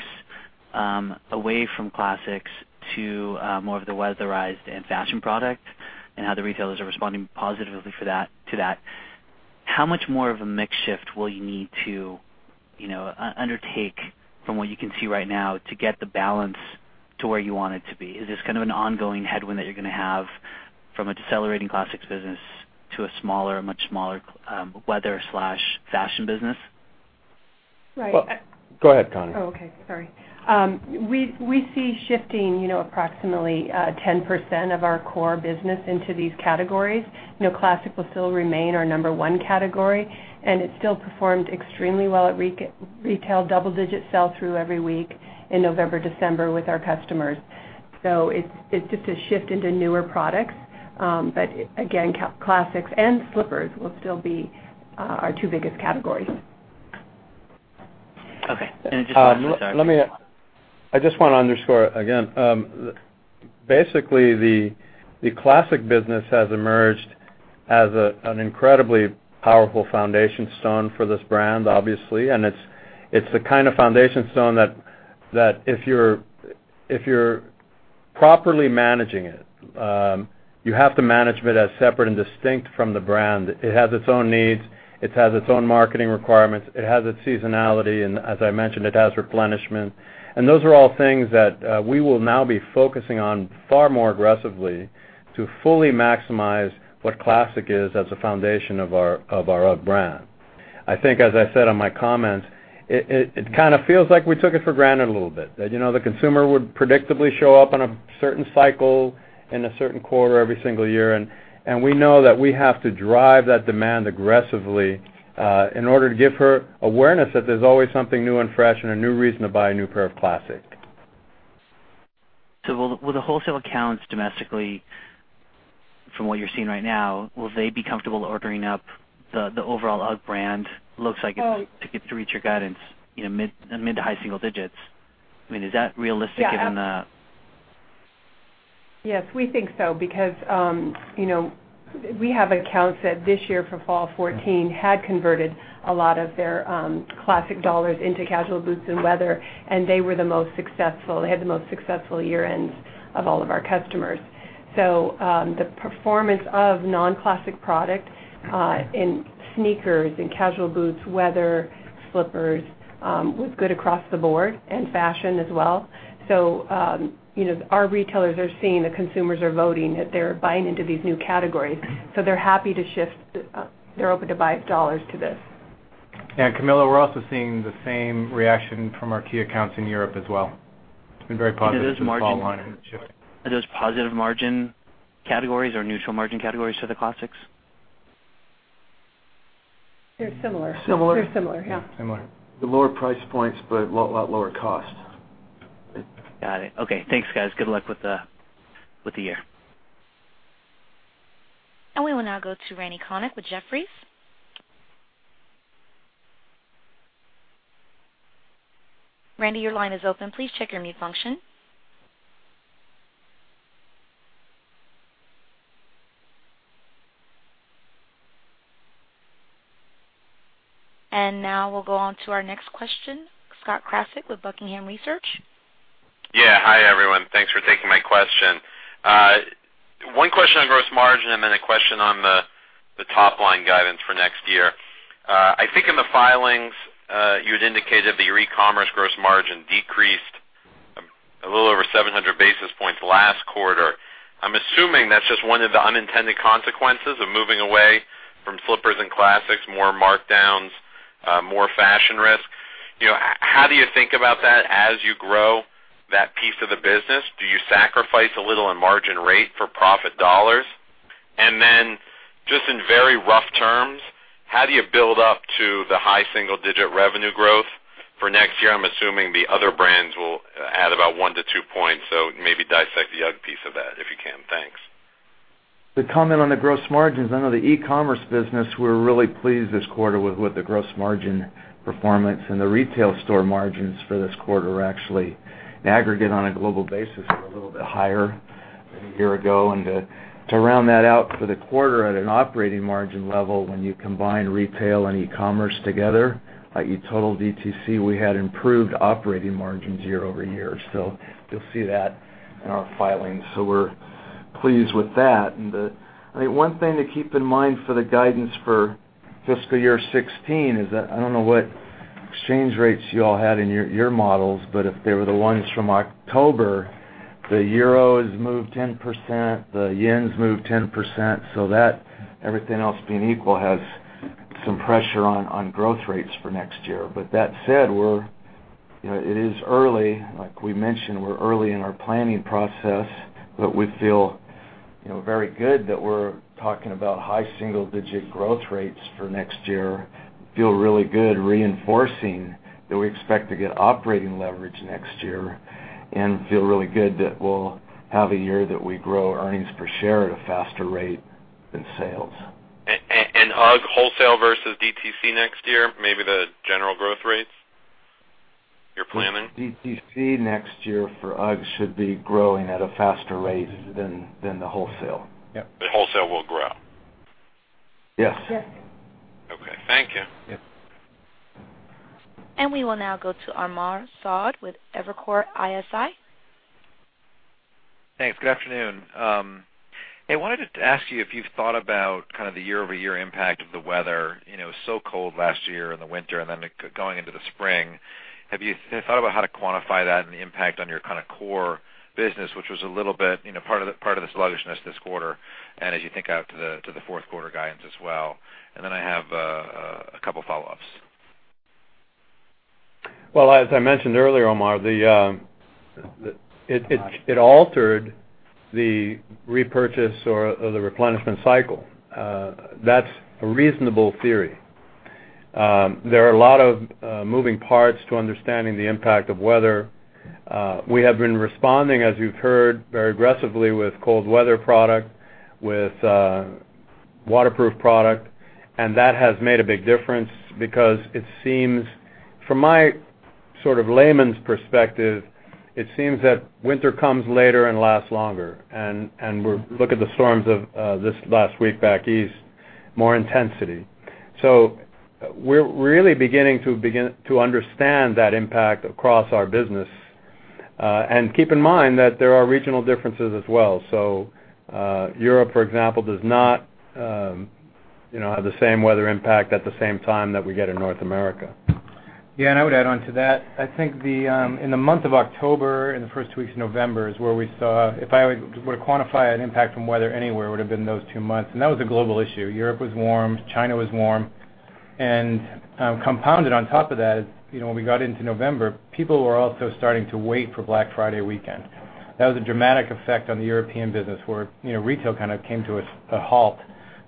Speaker 10: away from classics to more of the weatherized and fashion product, how the retailers are responding positively to that. How much more of a mix shift will you need to undertake from what you can see right now to get the balance to where you want it to be? Is this kind of an ongoing headwind that you're going to have from a decelerating classics business to a much smaller weather/fashion business?
Speaker 9: Right.
Speaker 4: Go ahead, Connie.
Speaker 9: Oh, okay. Sorry. We see shifting approximately 10% of our core business into these categories. Classic will still remain our number 1 category, it still performed extremely well at retail, double-digit sell-through every week in November, December with our customers. It's just a shift into newer products. Again, classics and slippers will still be our 2 biggest categories.
Speaker 10: Okay. Just last one.
Speaker 4: I just want to underscore again. Basically, the classic business has emerged as an incredibly powerful foundation stone for this brand, obviously. It's the kind of foundation stone that if you're properly managing it, you have to manage it as separate and distinct from the brand. It has its own needs. It has its own marketing requirements. It has its seasonality and as I mentioned, it has replenishment. Those are all things that we will now be focusing on far more aggressively to fully maximize what classic is as a foundation of our UGG brand. I think, as I said on my comments, it kind of feels like we took it for granted a little bit, that the consumer would predictably show up on a certain cycle in a certain quarter every single year. We know that we have to drive that demand aggressively, in order to give her awareness that there's always something new and fresh and a new reason to buy a new pair of classic.
Speaker 10: Will the wholesale accounts domestically, from what you're seeing right now, will they be comfortable ordering up the overall UGG brand looks like to get to reach your guidance, mid to high single digits? Is that realistic given the?
Speaker 9: Yes, we think so, because we have accounts that this year for fall 2014 had converted a lot of their classic dollars into casual boots and weather, and they were the most successful. They had the most successful year-ends of all of our customers. The performance of non-classic product in sneakers, in casual boots, weather, slippers, was good across the board, and fashion as well. Our retailers are seeing the consumers are voting, that they're buying into these new categories. They're happy, they're open to buy dollars to this.
Speaker 4: Camilo, we're also seeing the same reaction from our key accounts in Europe as well. It's been very positive this fall line shift.
Speaker 10: Are those positive margin categories or neutral margin categories to the classics?
Speaker 9: They're similar.
Speaker 3: Similar.
Speaker 9: They're similar, yeah.
Speaker 5: Similar. The lower price points, but a lot lower cost.
Speaker 10: Got it. Okay. Thanks, guys. Good luck with the year.
Speaker 1: We will now go to Randal Konik with Jefferies. Randy, your line is open. Please check your mute function. Now we'll go on to our next question, Scott Krasik with Buckingham Research.
Speaker 11: Yeah. Hi, everyone. Thanks for taking my question. One question on gross margin and then a question on the top-line guidance for next year. I think in the filings, you had indicated that your e-commerce gross margin decreased a little over 700 basis points last quarter. I'm assuming that's just one of the unintended consequences of moving away from slippers and classics, more markdowns, more fashion risk. How do you think about that as you grow that piece of the business? Do you sacrifice a little on margin rate for profit dollars? Then just in very rough terms, how do you build up to the high single-digit revenue growth for next year? I'm assuming the other brands will add about 1 to 2 points, so maybe dissect the UGG piece of that, if you can. Thanks.
Speaker 4: To comment on the gross margins, I know the e-commerce business, we're really pleased this quarter with the gross margin performance and the retail store margins for this quarter were actually aggregate on a global basis were a little bit higher than a year ago. To round that out for the quarter at an operating margin level, when you combine retail and e-commerce together, i.e., total DTC, we had improved operating margins year-over-year. You'll see that in our filings. We're pleased with that. The one thing to keep in mind for the guidance for FY 2016 is that I don't know what exchange rates you all had in your models, but if they were the ones from October, the euro has moved 10%, the yen's moved 10%, that, everything else being equal, has some pressure on growth rates for next year. That said, it is early. Like we mentioned, we're early in our planning process, we feel very good that we're talking about high single-digit growth rates for next year. Feel really good reinforcing that we expect to get operating leverage next year and feel really good that we'll have a year that we grow earnings per share at a faster rate than sales.
Speaker 11: UGG wholesale versus DTC next year, maybe the general growth rates you're planning?
Speaker 4: DTC next year for UGG should be growing at a faster rate than the wholesale.
Speaker 3: Yep.
Speaker 11: Wholesale will grow.
Speaker 4: Yes.
Speaker 9: Yes.
Speaker 11: Okay. Thank you.
Speaker 4: Yep.
Speaker 1: We will now go to Omar Saad with Evercore ISI.
Speaker 12: Thanks. Good afternoon. I wanted to ask you if you've thought about the year-over-year impact of the weather. It was so cold last year in the winter and then going into the spring. Have you thought about how to quantify that and the impact on your core business, which was a little bit part of the sluggishness this quarter and as you think out to the fourth quarter guidance as well? Then I have a couple follow-ups.
Speaker 3: Well, as I mentioned earlier, Omar, it altered the repurchase or the replenishment cycle. That's a reasonable theory. There are a lot of moving parts to understanding the impact of weather. We have been responding, as you've heard, very aggressively with cold weather product, with waterproof product, and that has made a big difference because it seems, from my sort of layman's perspective, it seems that winter comes later and lasts longer. Look at the storms of this last week back east, more intensity. We're really beginning to understand that impact across our business. Keep in mind that there are regional differences as well. Europe, for example, does not have the same weather impact at the same time that we get in North America.
Speaker 4: Yeah, I would add on to that. I think in the month of October and the first week of November is where we saw, if I were to quantify an impact from weather anywhere, it would've been those two months, and that was a global issue. Europe was warm, China was warm. Compounded on top of that, when we got into November, people were also starting to wait for Black Friday weekend. That was a dramatic effect on the European business where retail kind of came to a halt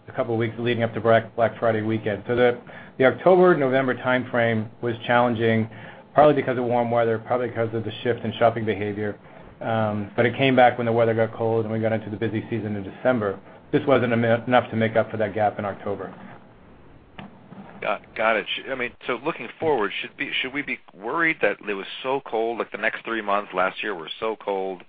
Speaker 4: A couple of weeks leading up to Black Friday weekend. The October, November timeframe was challenging, partly because of warm weather, partly because of the shift in shopping behavior. It came back when the weather got cold, and we got into the busy season in December. Just wasn't enough to make up for that gap in October.
Speaker 12: Got it. Looking forward, should we be worried that it was so cold, like the next three months last year were so cold?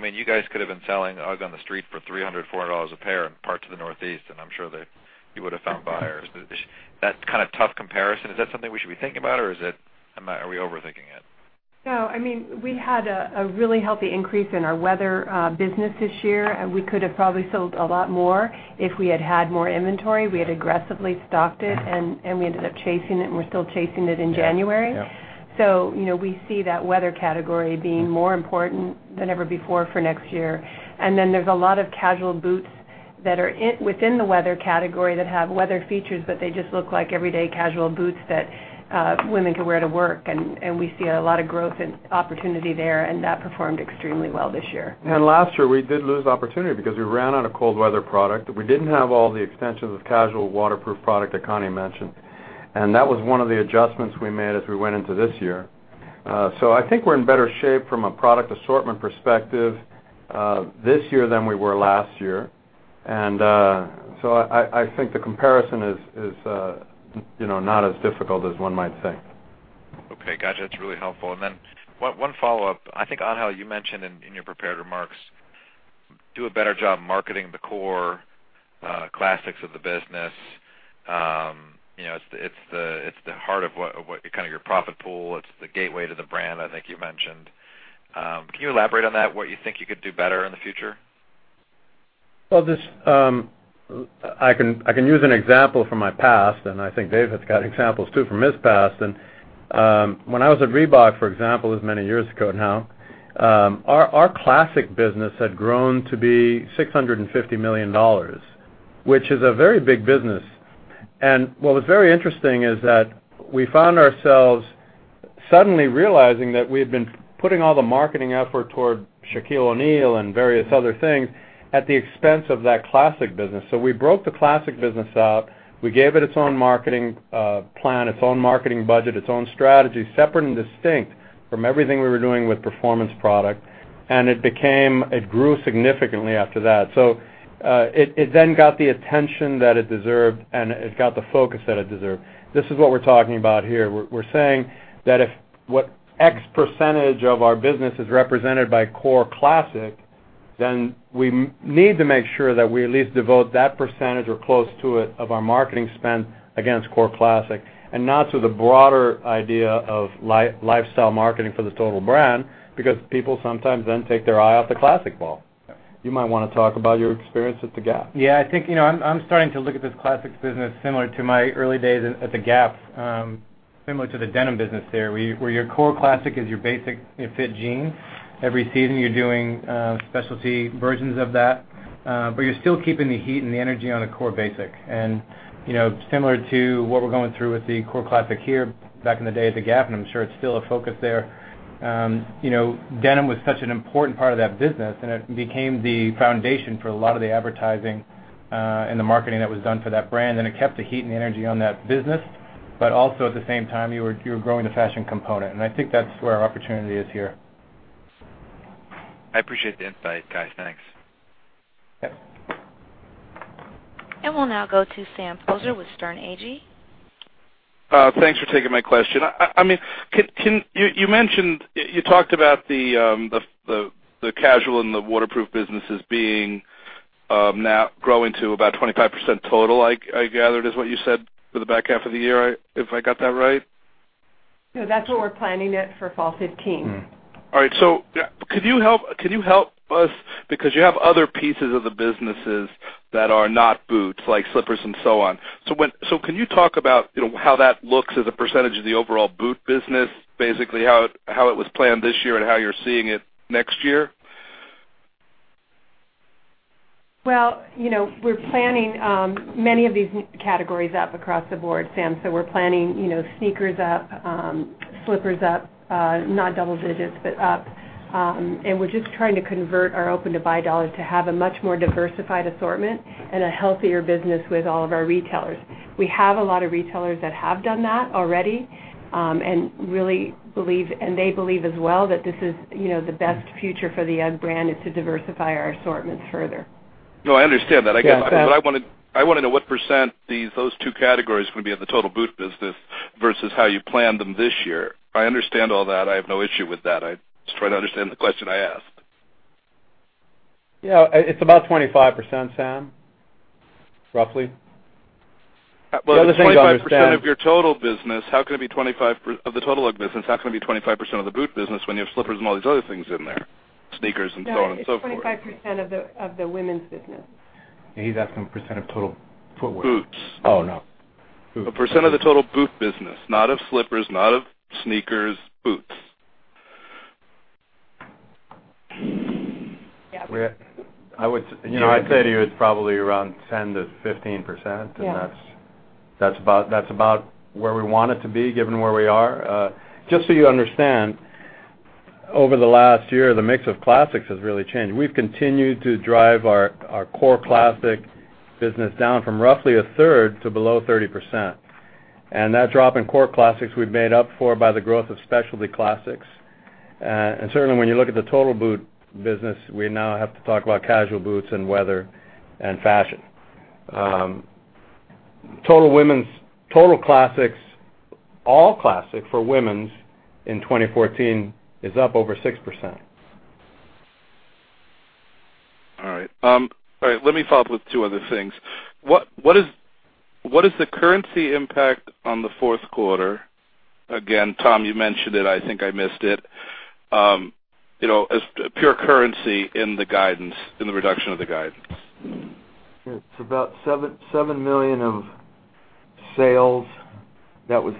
Speaker 12: You guys could have been selling UGG on the street for $300, $400 a pair in parts of the Northeast, and I'm sure that you would have found buyers. That kind of tough comparison, is that something we should be thinking about, or are we overthinking it?
Speaker 9: No. We had a really healthy increase in our weather business this year. We could have probably sold a lot more if we had had more inventory. We had aggressively stocked it, and we ended up chasing it, and we're still chasing it in January.
Speaker 12: Yeah.
Speaker 9: We see that weather category being more important than ever before for next year. There's a lot of casual boots that are within the weather category that have weather features, but they just look like everyday casual boots that women can wear to work. We see a lot of growth and opportunity there, and that performed extremely well this year.
Speaker 3: Last year, we did lose opportunity because we ran out of cold weather product. We didn't have all the extensions of casual waterproof product that Connie mentioned. That was one of the adjustments we made as we went into this year. I think we're in better shape from a product assortment perspective this year than we were last year. I think the comparison is not as difficult as one might think.
Speaker 12: Okay, gotcha. That's really helpful. Then one follow-up, I think, Angel, you mentioned in your prepared remarks, do a better job marketing the core classics of the business. It's the heart of what your profit pool, it's the gateway to the brand, I think you mentioned. Can you elaborate on that, what you think you could do better in the future?
Speaker 3: Well, I can use an example from my past, and I think David's got examples too from his past. When I was at Reebok, for example, this many years ago now, our classic business had grown to be $650 million, which is a very big business. What was very interesting is that we found ourselves suddenly realizing that we had been putting all the marketing effort toward Shaquille O'Neal and various other things at the expense of that classic business. We broke the classic business out. We gave it its own marketing plan, its own marketing budget, its own strategy, separate and distinct from everything we were doing with performance product, and it grew significantly after that. It then got the attention that it deserved, and it got the focus that it deserved. This is what we're talking about here. We're saying that if what X% of our business is represented by core classic, then we need to make sure that we at least devote that percentage or close to it of our marketing spend against core classic and not to the broader idea of lifestyle marketing for the total brand because people sometimes then take their eye off the classic ball. You might want to talk about your experience at the Gap.
Speaker 4: Yeah, I think I'm starting to look at this classics business similar to my early days at the Gap, similar to the denim business there, where your core classic is your basic fit jean. Every season, you're doing specialty versions of that, but you're still keeping the heat and the energy on a core basic. Similar to what we're going through with the core classic here back in the day at the Gap, and I'm sure it's still a focus there. Denim was such an important part of that business, and it became the foundation for a lot of the advertising and the marketing that was done for that brand. It kept the heat and the energy on that business, but also at the same time, you were growing the fashion component, and I think that's where our opportunity is here.
Speaker 12: I appreciate the insight, guys. Thanks.
Speaker 4: Yep.
Speaker 1: We'll now go to Sam Poser with Sterne Agee.
Speaker 13: Thanks for taking my question. You talked about the casual and the waterproof businesses growing to about 25% total, I gathered, is what you said for the back half of the year, if I got that right.
Speaker 9: That's where we're planning it for fall 2015.
Speaker 13: All right. Could you help us because you have other pieces of the businesses that are not boots, like slippers and so on. Can you talk about how that looks as a % of the overall boot business, basically how it was planned this year and how you're seeing it next year?
Speaker 9: Well, we're planning many of these categories up across the board, Sam. We're planning sneakers up, slippers up, not double digits, but up. We're just trying to convert our open-to-buy dollars to have a much more diversified assortment and a healthier business with all of our retailers. We have a lot of retailers that have done that already, they believe as well that this is the best future for the UGG brand, is to diversify our assortments further.
Speaker 13: No, I understand that. I want to know what % those two categories are going to be of the total boot business versus how you planned them this year. I understand all that. I have no issue with that. I'm just trying to understand the question I asked.
Speaker 4: Yeah. It's about 25%, Sam. Roughly. The other thing to understand-
Speaker 13: Well, if it's 25% of your total UGG business, how can it be 25% of the boot business when you have slippers and all these other things in there, sneakers and so on and so forth?
Speaker 9: No, it's 25% of the women's business.
Speaker 4: Yeah, he's asking percent of total footwear.
Speaker 13: Boots.
Speaker 4: Oh, no. Boots.
Speaker 13: A% of the total boot business. Not of slippers, not of sneakers, boots.
Speaker 9: Yeah.
Speaker 3: I'd say to you it's probably around 10%-15%.
Speaker 9: Yeah.
Speaker 3: That's about where we want it to be, given where we are. Just so you understand. Over the last year, the mix of classics has really changed. We've continued to drive our core classic business down from roughly a third to below 30%. That drop in core classics we've made up for by the growth of specialty classics. Certainly, when you look at the total boot business, we now have to talk about casual boots and weather and fashion. Total classics, all classic, for women's in 2014 is up over 6%.
Speaker 13: All right. Let me follow up with two other things. What is the currency impact on the fourth quarter? Again, Tom, you mentioned it, I think I missed it. As pure currency in the reduction of the guidance.
Speaker 5: It's about $7 million of sales. That was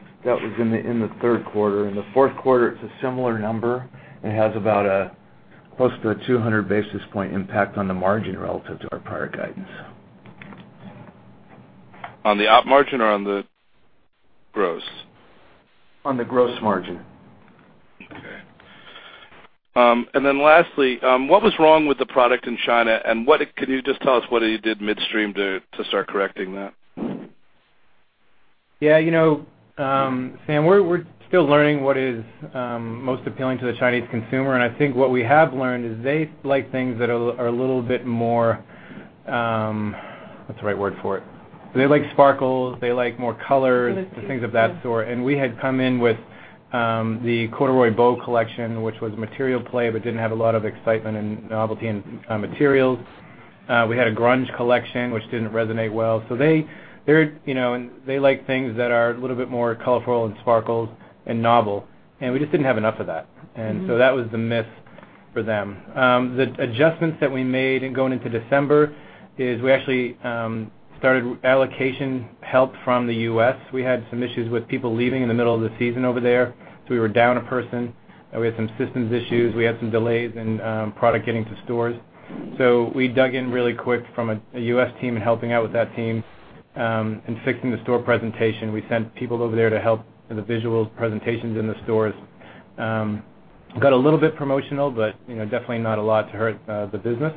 Speaker 5: in the third quarter. In the fourth quarter, it's a similar number, and it has close to a 200 basis point impact on the margin relative to our prior guidance.
Speaker 13: On the op margin or on the gross?
Speaker 5: On the gross margin.
Speaker 13: Lastly, what was wrong with the product in China, and can you just tell us what you did midstream to start correcting that?
Speaker 4: Yeah, Sam, we're still learning what is most appealing to the Chinese consumer. I think what we have learned is they like things that are a little bit more What's the right word for it? They like sparkles, they like more colors.
Speaker 9: Glitzier, yeah.
Speaker 4: Things of that sort. We had come in with the corduroy bow collection, which was material play, but didn't have a lot of excitement and novelty in materials. We had a grunge collection, which didn't resonate well. They like things that are a little bit more colorful and sparkles and novel, and we just didn't have enough of that. That was the miss for them. The adjustments that we made in going into December is we actually started allocation help from the U.S. We had some issues with people leaving in the middle of the season over there, so we were down a person, and we had some systems issues. We had some delays in product getting to stores. We dug in really quick from a U.S. team in helping out with that team, and fixing the store presentation. We sent people over there to help with the visuals, presentations in the stores. Got a little bit promotional, but definitely not a lot to hurt the business.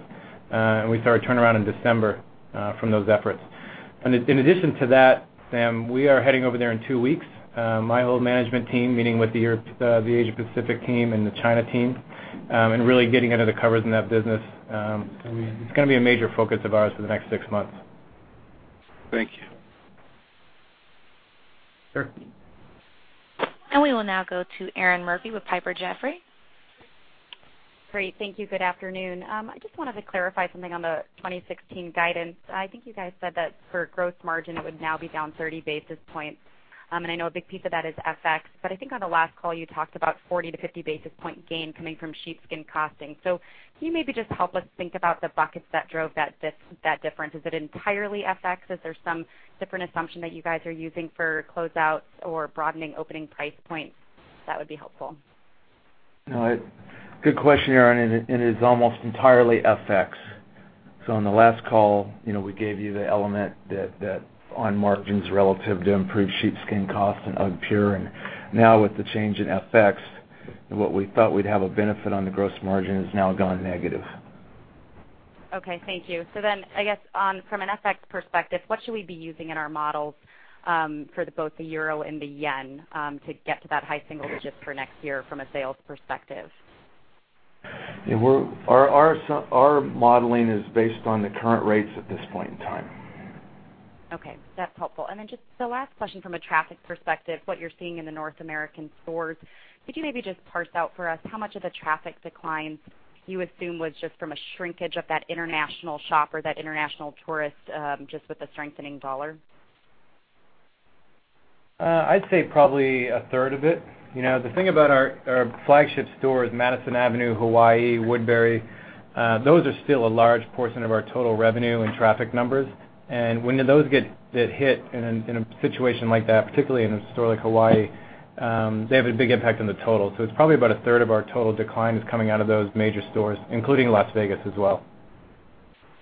Speaker 4: We saw a turnaround in December from those efforts. In addition to that, Sam, we are heading over there in two weeks. My whole management team, meeting with the Asia Pacific team and the China team, really getting under the covers in that business.
Speaker 3: It's going to be-
Speaker 4: It's going to be a major focus of ours for the next six months.
Speaker 13: Thank you.
Speaker 4: Sure.
Speaker 1: We will now go to Erinn Murphy with Piper Jaffray.
Speaker 14: Great. Thank you. Good afternoon. I just wanted to clarify something on the 2016 guidance. I think you guys said that for gross margin, it would now be down 30 basis points. I know a big piece of that is FX. I think on the last call, you talked about 40-50 basis point gain coming from sheepskin costing. Can you maybe just help us think about the buckets that drove that difference? Is it entirely FX? Is there some different assumption that you guys are using for closeouts or broadening opening price points? That would be helpful.
Speaker 5: Good question, Erinn, it is almost entirely FX. On the last call, we gave you the element that on margins relative to improved sheepskin costs and UGGpure, now with the change in FX, what we thought we'd have a benefit on the gross margin has now gone negative.
Speaker 14: Okay, thank you. I guess from an FX perspective, what should we be using in our models for both the euro and the yen to get to that high single digits for next year from a sales perspective?
Speaker 5: Our modeling is based on the current rates at this point in time.
Speaker 14: Okay, that's helpful. Just the last question from a traffic perspective, what you're seeing in the North American stores, could you maybe just parse out for us how much of the traffic declines you assume was just from a shrinkage of that international shopper, that international tourist, just with the strengthening dollar?
Speaker 4: I'd say probably a third of it. The thing about our flagship stores, Madison Avenue, Hawaii, Woodbury, those are still a large portion of our total revenue and traffic numbers. When those get hit in a situation like that, particularly in a store like Hawaii, they have a big impact on the total. It's probably about a third of our total decline is coming out of those major stores, including Las Vegas as well.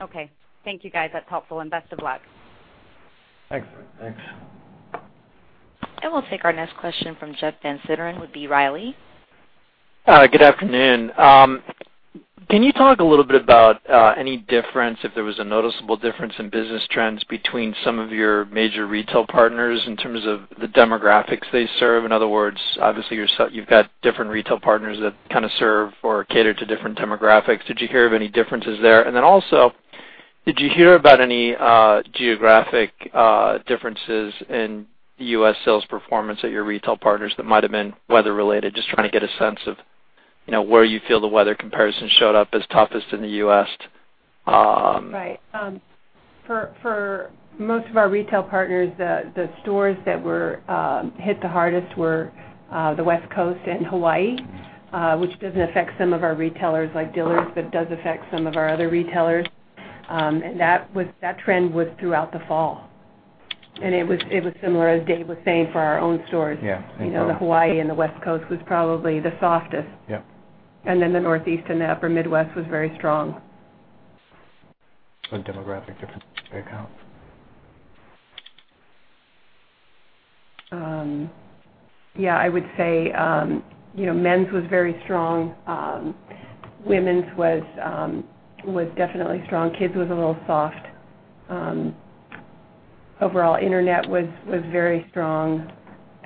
Speaker 14: Okay. Thank you, guys. That's helpful, best of luck.
Speaker 4: Thanks.
Speaker 5: Thanks.
Speaker 1: We'll take our next question from Jeff Van Sinderen with B. Riley.
Speaker 15: Good afternoon. Can you talk a little bit about any difference, if there was a noticeable difference in business trends between some of your major retail partners in terms of the demographics they serve? In other words, obviously you've got different retail partners that kind of serve or cater to different demographics. Did you hear of any differences there? Then also, did you hear about any geographic differences in U.S. sales performance at your retail partners that might have been weather related? Just trying to get a sense of where you feel the weather comparison showed up as toughest in the U.S.
Speaker 9: Right. For most of our retail partners, the stores that were hit the hardest were the West Coast and Hawaii, which doesn't affect some of our retailers like Dillard's, but does affect some of our other retailers. That trend was throughout the fall. It was similar, as Dave was saying, for our own stores.
Speaker 3: Yeah.
Speaker 9: Hawaii and the West Coast was probably the softest.
Speaker 3: Yep.
Speaker 9: The Northeast and the upper Midwest was very strong.
Speaker 3: On demographic different accounts.
Speaker 9: I would say men's was very strong. Women's was definitely strong. Kids was a little soft. Overall, internet was very strong.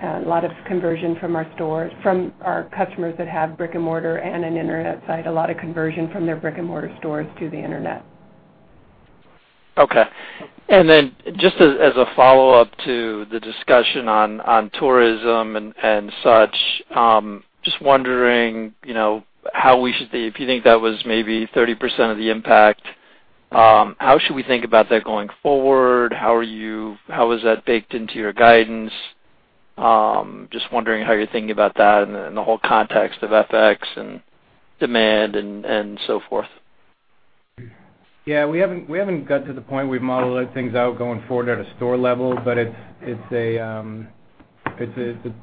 Speaker 9: A lot of conversion from our customers that have brick-and-mortar and an internet site, a lot of conversion from their brick-and-mortar stores to the internet.
Speaker 15: Okay. Just as a follow-up to the discussion on tourism and such, just wondering, if you think that was maybe 30% of the impact, how should we think about that going forward? How is that baked into your guidance? Just wondering how you're thinking about that and the whole context of FX and demand and so forth.
Speaker 4: Yeah. We haven't got to the point we've modeled things out going forward at a store level, but it's a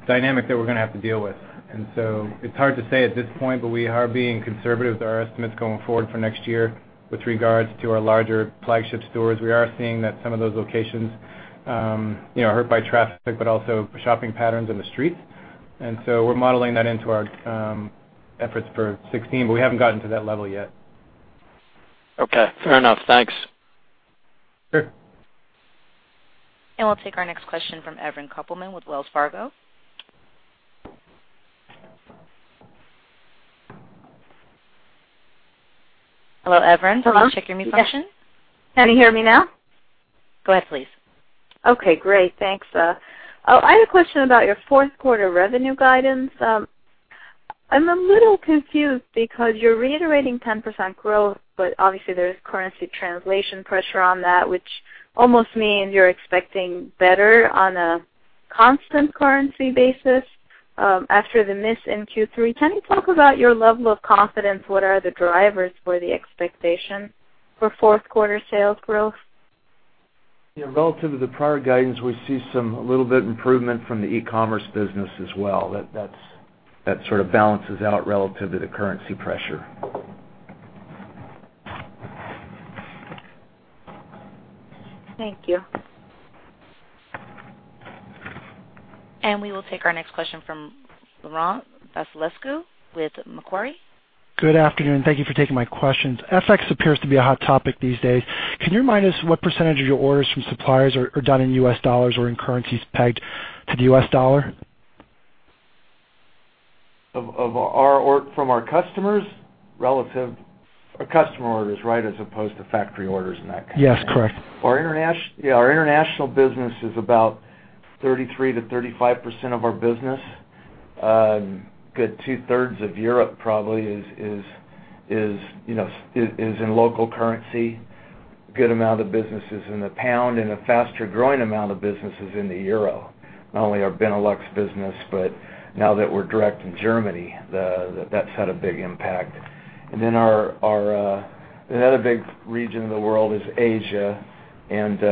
Speaker 4: dynamic that we're going to have to deal with. It's hard to say at this point, but we are being conservative with our estimates going forward for next year with regards to our larger flagship stores. We are seeing that some of those locations are hurt by traffic, but also shopping patterns in the streets. We're modeling that into our efforts for 2016, but we haven't gotten to that level yet.
Speaker 15: Okay, fair enough. Thanks.
Speaker 4: Sure.
Speaker 1: We'll take our next question from Evren Kopelman with Wells Fargo. Hello, Evren.
Speaker 16: Hello.
Speaker 1: Check your mute function.
Speaker 16: Can you hear me now?
Speaker 1: Go ahead, please.
Speaker 16: Okay, great. Thanks. I had a question about your fourth quarter revenue guidance. I'm a little confused because you're reiterating 10% growth, obviously there's currency translation pressure on that, which almost means you're expecting better on a constant currency basis after the miss in Q3. Can you talk about your level of confidence? What are the drivers for the expectation for fourth quarter sales growth?
Speaker 4: Relative to the prior guidance, we see a little bit improvement from the e-commerce business as well. That sort of balances out relative to the currency pressure.
Speaker 16: Thank you.
Speaker 1: We will take our next question from Laurent Vasilescu with Macquarie.
Speaker 17: Good afternoon. Thank you for taking my questions. FX appears to be a hot topic these days. Can you remind us what % of your orders from suppliers are done in U.S. dollars or in currencies pegged to the U.S. dollar?
Speaker 4: From our customers? Customer orders, right, as opposed to factory orders and that kind of thing.
Speaker 17: Yes, correct.
Speaker 4: Our international business is about 33%-35% of our business. A good two-thirds of Europe probably is in local currency. A good amount of business is in the pound, and a faster-growing amount of business is in the euro. Not only our Benelux business, but now that we're direct in Germany, that's had a big impact. Our other big region in the world is Asia, and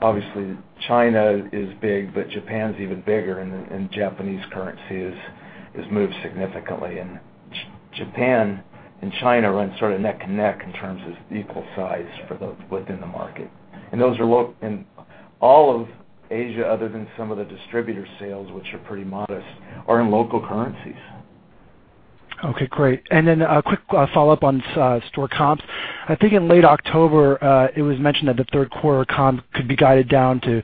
Speaker 4: obviously China is big, but Japan's even bigger, and Japanese currency has moved significantly. Japan and China run sort of neck and neck in terms of equal size within the market. All of Asia, other than some of the distributor sales, which are pretty modest, are in local currencies.
Speaker 17: Okay, great. A quick follow-up on store comps. I think in late October, it was mentioned that the third quarter comp could be guided down to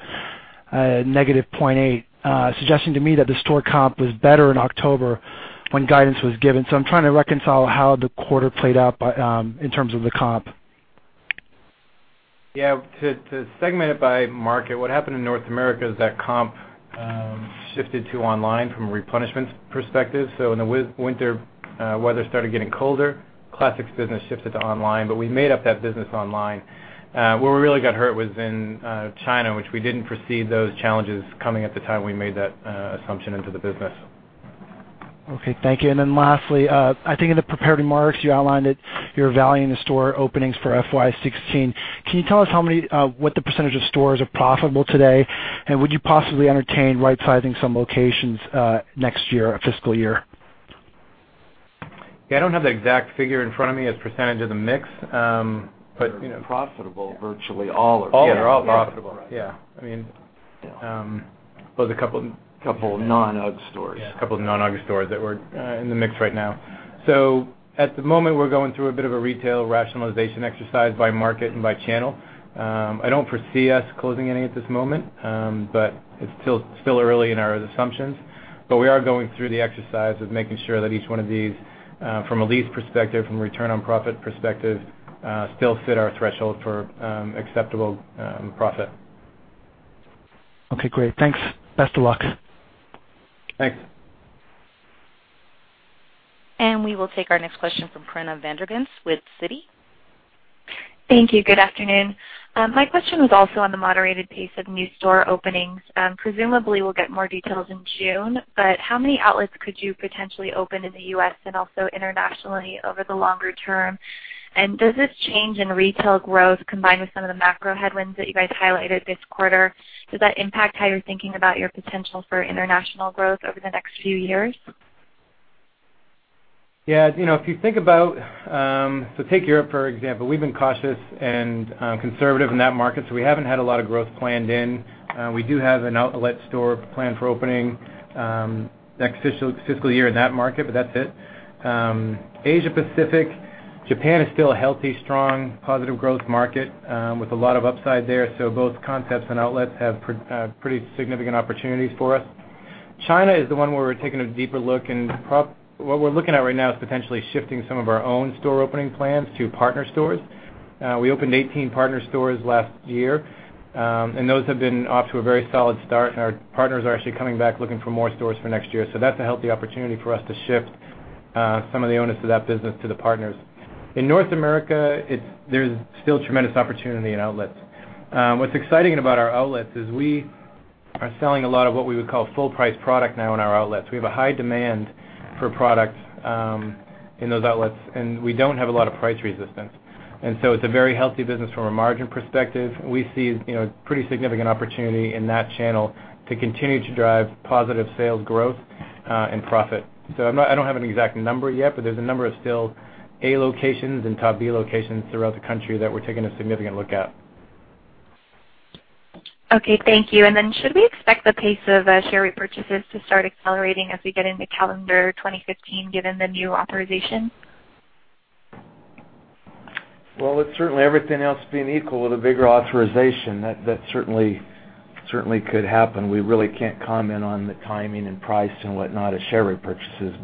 Speaker 17: negative -0.8%, suggesting to me that the store comp was better in October when guidance was given. I'm trying to reconcile how the quarter played out in terms of the comp.
Speaker 4: Yeah. To segment it by market, what happened in North America is that comp shifted to online from a replenishment perspective. When the winter weather started getting colder, Classics business shifted to online, but we made up that business online. Where we really got hurt was in China, which we didn't foresee those challenges coming at the time we made that assumption into the business.
Speaker 17: Okay, thank you. Lastly, I think in the prepared remarks, you outlined that you're valuing the store openings for FY 2016. Can you tell us what % of stores are profitable today, and would you possibly entertain rightsizing some locations next fiscal year?
Speaker 4: Yeah, I don't have the exact figure in front of me as % of the mix.
Speaker 9: Profitable, virtually all are. All are. Yeah, they're all profitable.
Speaker 4: Yeah. Plus a couple-
Speaker 9: Couple non-UGG stores.
Speaker 4: Yeah, a couple of non-UGG stores that were in the mix right now. At the moment, we're going through a bit of a retail rationalization exercise by market and by channel. I don't foresee us closing any at this moment, it's still early in our assumptions. We are going through the exercise of making sure that each one of these, from a lease perspective, from a return on profit perspective, still fit our threshold for acceptable profit.
Speaker 17: Okay, great. Thanks. Best of luck.
Speaker 4: Thanks.
Speaker 1: We will take our next question from Corinna Van der Ghinst with Citi.
Speaker 18: Thank you. Good afternoon. My question was also on the moderated pace of new store openings. Presumably, we'll get more details in June, how many outlets could you potentially open in the U.S. and also internationally over the longer term? Does this change in retail growth, combined with some of the macro headwinds that you guys highlighted this quarter, does that impact how you're thinking about your potential for international growth over the next few years?
Speaker 4: Yeah. Take Europe, for example. We've been cautious and conservative in that market, we haven't had a lot of growth planned in. We do have an outlet store planned for opening next fiscal year in that market, that's it. Asia Pacific, Japan is still a healthy, strong, positive growth market with a lot of upside there. Both concepts and outlets have pretty significant opportunities for us. China is the one where we're taking a deeper look, what we're looking at right now is potentially shifting some of our own store opening plans to partner stores. We opened 18 partner stores last year, those have been off to a very solid start, our partners are actually coming back looking for more stores for next year. That's a healthy opportunity for us to shift some of the onus of that business to the partners. In North America, there's still tremendous opportunity in outlets. What's exciting about our outlets is we are selling a lot of what we would call full-price product now in our outlets. We have a high demand for product in those outlets, we don't have a lot of price resistance. It's a very healthy business from a margin perspective. We see pretty significant opportunity in that channel to continue to drive positive sales growth and profit. I don't have an exact number yet, there's a number of still A locations and top B locations throughout the country that we're taking a significant look at.
Speaker 18: Okay, thank you. Should we expect the pace of share repurchases to start accelerating as we get into calendar 2015 given the new authorization?
Speaker 5: Well, it's certainly everything else being equal with a bigger authorization. That certainly could happen. We really can't comment on the timing and price and whatnot of share repurchases.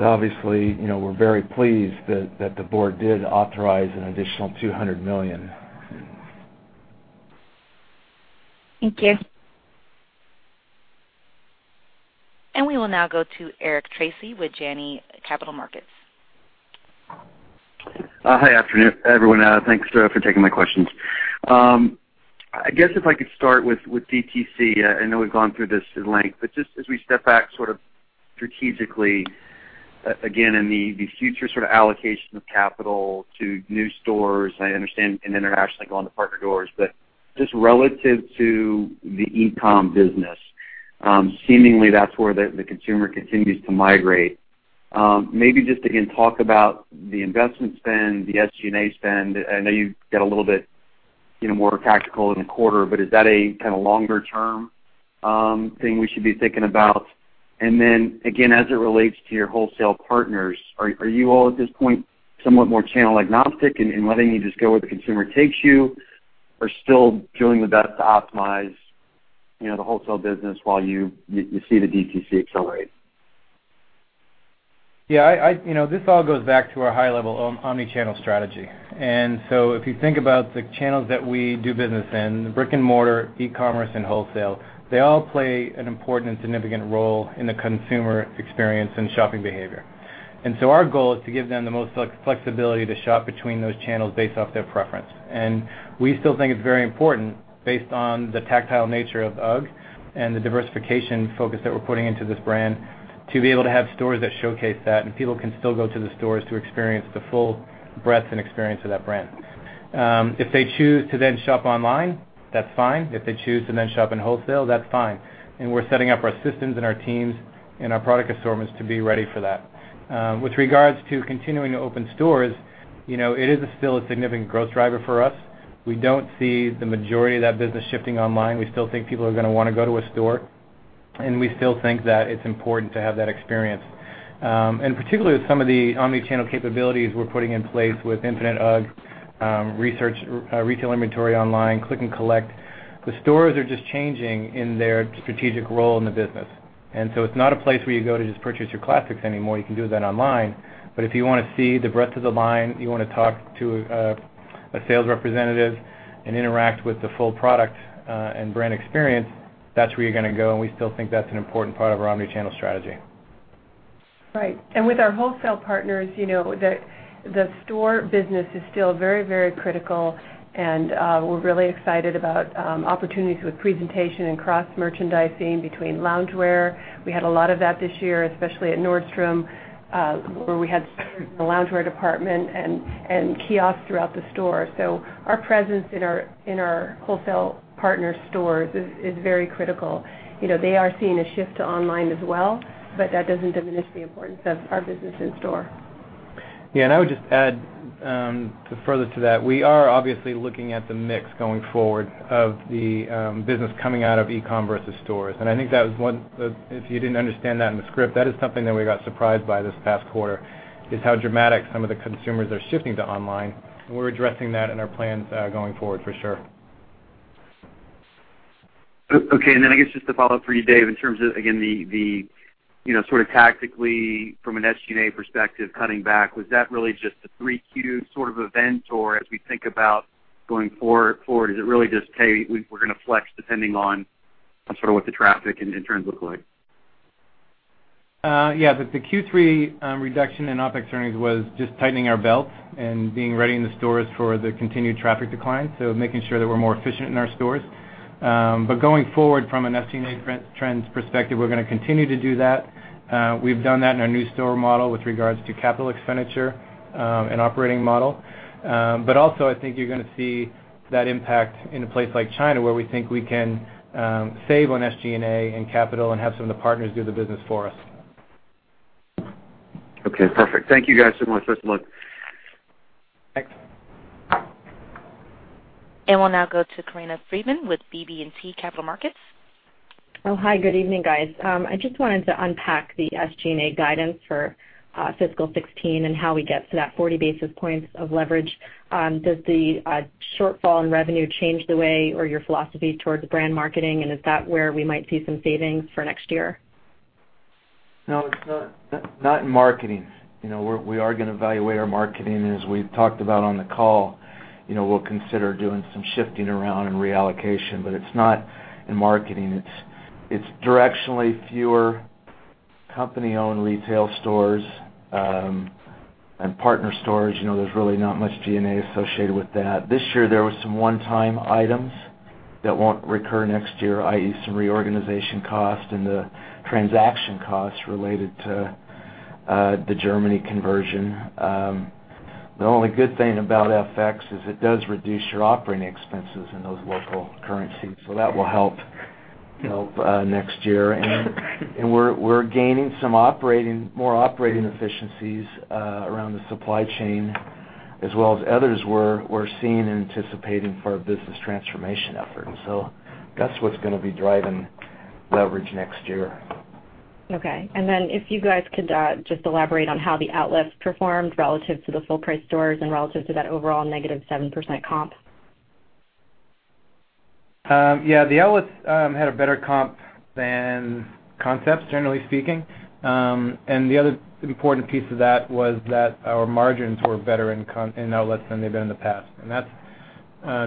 Speaker 5: Obviously, we're very pleased that the board did authorize an additional $200 million.
Speaker 18: Thank you.
Speaker 1: We will now go to Eric Tracy with Janney Montgomery Scott.
Speaker 19: Hi, everyone. Thanks for taking my questions. I guess if I could start with DTC. I know we've gone through this at length, just as we step back sort of strategically again in the future sort of allocation of capital to new stores, I understand, and internationally going to partner stores. Just relative to the e-com business, seemingly that's where the consumer continues to migrate. Maybe just again, talk about the investment spend, the SG&A spend. I know you get a little bit more tactical in a quarter, but is that a kind of longer-term thing we should be thinking about? Then, again, as it relates to your wholesale partners, are you all at this point somewhat more channel agnostic and letting you just go where the consumer takes you? Still doing the best to optimize the wholesale business while you see the DTC accelerate?
Speaker 4: Yeah. This all goes back to our high-level omni-channel strategy. If you think about the channels that we do business in, the brick and mortar, e-commerce, and wholesale, they all play an important and significant role in the consumer experience and shopping behavior. Our goal is to give them the most flexibility to shop between those channels based off their preference. We still think it's very important based on the tactile nature of UGG and the diversification focus that we're putting into this brand to be able to have stores that showcase that, and people can still go to the stores to experience the full breadth and experience of that brand. If they choose to then shop online, that's fine. If they choose to then shop in wholesale, that's fine. We're setting up our systems and our teams and our product assortments to be ready for that. With regards to continuing to open stores, it is still a significant growth driver for us. We don't see the majority of that business shifting online. We still think people are going to want to go to a store, and we still think that it's important to have that experience. Particularly with some of the omnichannel capabilities we're putting in place with Infinite UGG, retail inventory online, click and collect. The stores are just changing in their strategic role in the business. It's not a place where you go to just purchase your classics anymore. You can do that online. If you want to see the breadth of the line, you want to talk to a sales representative and interact with the full product and brand experience, that's where you're going to go, and we still think that's an important part of our omnichannel strategy.
Speaker 9: Right. With our wholesale partners, the store business is still very critical, and we're really excited about opportunities with presentation and cross-merchandising between loungewear. We had a lot of that this year, especially at Nordstrom where we had stores in the loungewear department and kiosks throughout the store. Our presence in our wholesale partner stores is very critical. They are seeing a shift to online as well, that doesn't diminish the importance of our business in store.
Speaker 4: I would just add further to that, we are obviously looking at the mix going forward of the business coming out of e-commerce versus stores. I think that was if you didn't understand that in the script, that is something that we got surprised by this past quarter, is how dramatic some of the consumers are shifting to online, we're addressing that in our plans going forward for sure.
Speaker 19: Okay, I guess just to follow up for you, Dave, in terms of, again, sort of tactically from an SG&A perspective, cutting back, was that really just a 3Q sort of event? Or as we think about going forward, is it really just, "Hey, we're going to flex depending on sort of what the traffic and trends look like.
Speaker 4: Yeah. The Q3 reduction in OPEX earnings was just tightening our belts and being ready in the stores for the continued traffic decline. Making sure that we're more efficient in our stores. Going forward from an SG&A trends perspective, we're going to continue to do that. We've done that in our new store model with regards to capital expenditure and operating model. Also, I think you're going to see that impact in a place like China where we think we can save on SG&A and capital and have some of the partners do the business for us. Okay, perfect. Thank you guys so much. Let's look.
Speaker 5: Thanks.
Speaker 1: We'll now go to Corinna Freedman with BB&T Capital Markets.
Speaker 20: Oh, hi. Good evening, guys. I just wanted to unpack the SG&A guidance for fiscal 2016 and how we get to that 40 basis points of leverage. Does the shortfall in revenue change the way or your philosophy towards brand marketing, is that where we might see some savings for next year?
Speaker 5: No, it's not in marketing. We are going to evaluate our marketing, as we've talked about on the call. We'll consider doing some shifting around and reallocation, but it's not in marketing. It's directionally fewer company-owned retail stores, and partner stores. There's really not much G&A associated with that. This year, there was some one-time items that won't recur next year, i.e., some reorganization costs and the transaction costs related to the Germany conversion. The only good thing about FX is it does reduce your operating expenses in those local currencies. That will help next year. We're gaining some more operating efficiencies around the supply chain as well as others we're seeing anticipating for our business transformation efforts. That's what's going to be driving leverage next year.
Speaker 20: Okay. If you guys could just elaborate on how the outlets performed relative to the full-price stores and relative to that overall negative 7% comp.
Speaker 4: Yeah. The outlets had a better comp than concepts, generally speaking. The other important piece of that was that our margins were better in outlets than they've been in the past. That's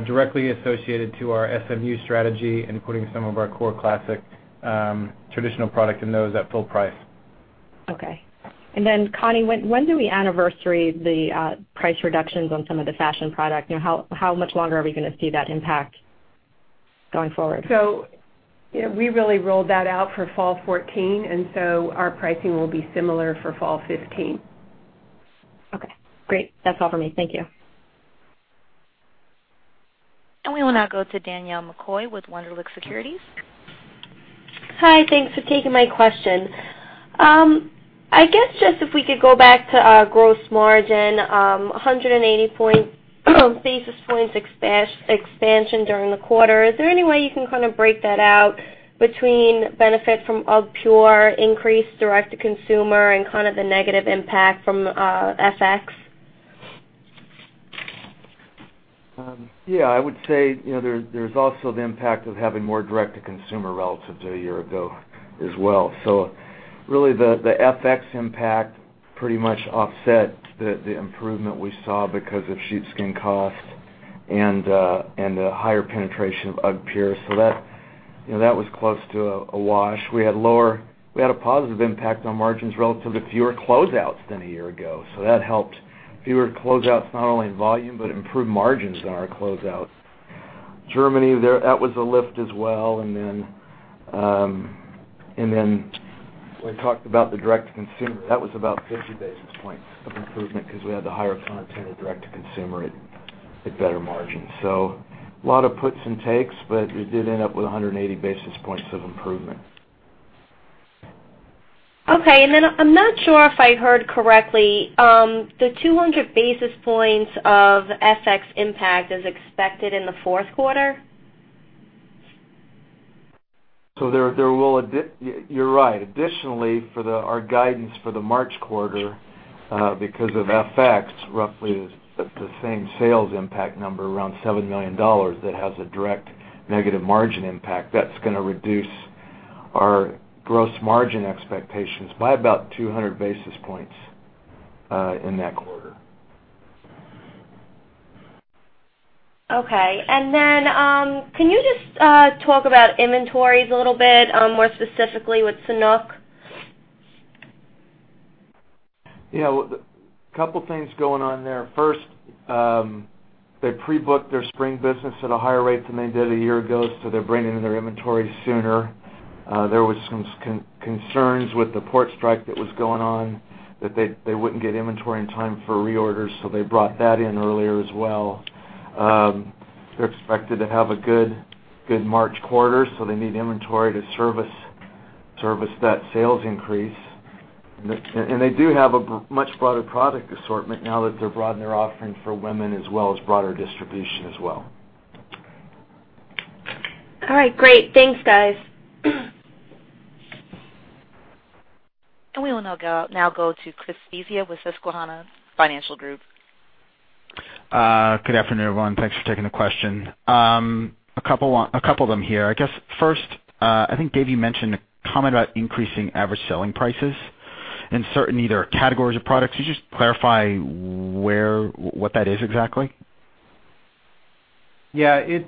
Speaker 4: directly associated to our SMU strategy, including some of our core classic traditional product in those at full price.
Speaker 20: Okay. Connie, when do we anniversary the price reductions on some of the fashion product? How much longer are we going to see that impact going forward?
Speaker 9: We really rolled that out for fall 2014, our pricing will be similar for fall 2015.
Speaker 20: Okay, great. That's all for me. Thank you.
Speaker 1: We will now go to Danielle McCoy with Wunderlich Securities.
Speaker 21: Hi. Thanks for taking my question. I guess, just if we could go back to our gross margin, 180 basis points expansion during the quarter. Is there any way you can kind of break that out between benefit from UGGpure, increased direct-to-consumer, and kind of the negative impact from FX?
Speaker 5: I would say, there's also the impact of having more direct-to-consumer relative to a year ago as well. Really, the FX impact pretty much offset the improvement we saw because of sheepskin costs and the higher penetration of UGGpure. That was close to a wash. We had a positive impact on margins relative to fewer closeouts than a year ago. That helped. Fewer closeouts, not only in volume, but improved margins on our closeouts. Germany, that was a lift as well. We talked about the direct-to-consumer. That was about 50 basis points of improvement because we had the higher content of direct-to-consumer at better margins. A lot of puts and takes, but we did end up with 180 basis points of improvement.
Speaker 21: Okay. I'm not sure if I heard correctly. The 200 basis points of FX impact is expected in the fourth quarter?
Speaker 5: You're right. Additionally, for our guidance for the March quarter, because of FX, roughly the same sales impact number, around $7 million, that has a direct negative margin impact. That's going to reduce our gross margin expectations by about 200 basis points in that quarter.
Speaker 21: Okay. Can you just talk about inventories a little bit, more specifically with Sanuk?
Speaker 5: Yeah. A couple of things going on there. First, they pre-booked their spring business at a higher rate than they did a year ago, so they're bringing in their inventory sooner. There was some concerns with the port strike that was going on, that they wouldn't get inventory in time for reorders, so they brought that in earlier as well. They're expected to have a good March quarter, so they need inventory to service that sales increase. They do have a much broader product assortment now that they're broadening their offering for women, as well as broader distribution as well.
Speaker 21: All right. Great. Thanks, guys.
Speaker 1: We will now go to Chris Svezia with Susquehanna Financial Group.
Speaker 22: Good afternoon, everyone. Thanks for taking the question. A couple of them here. I guess, first, I think, Dave, you mentioned a comment about increasing average selling prices in certain, either categories or products. Could you just clarify what that is exactly?
Speaker 4: Yeah.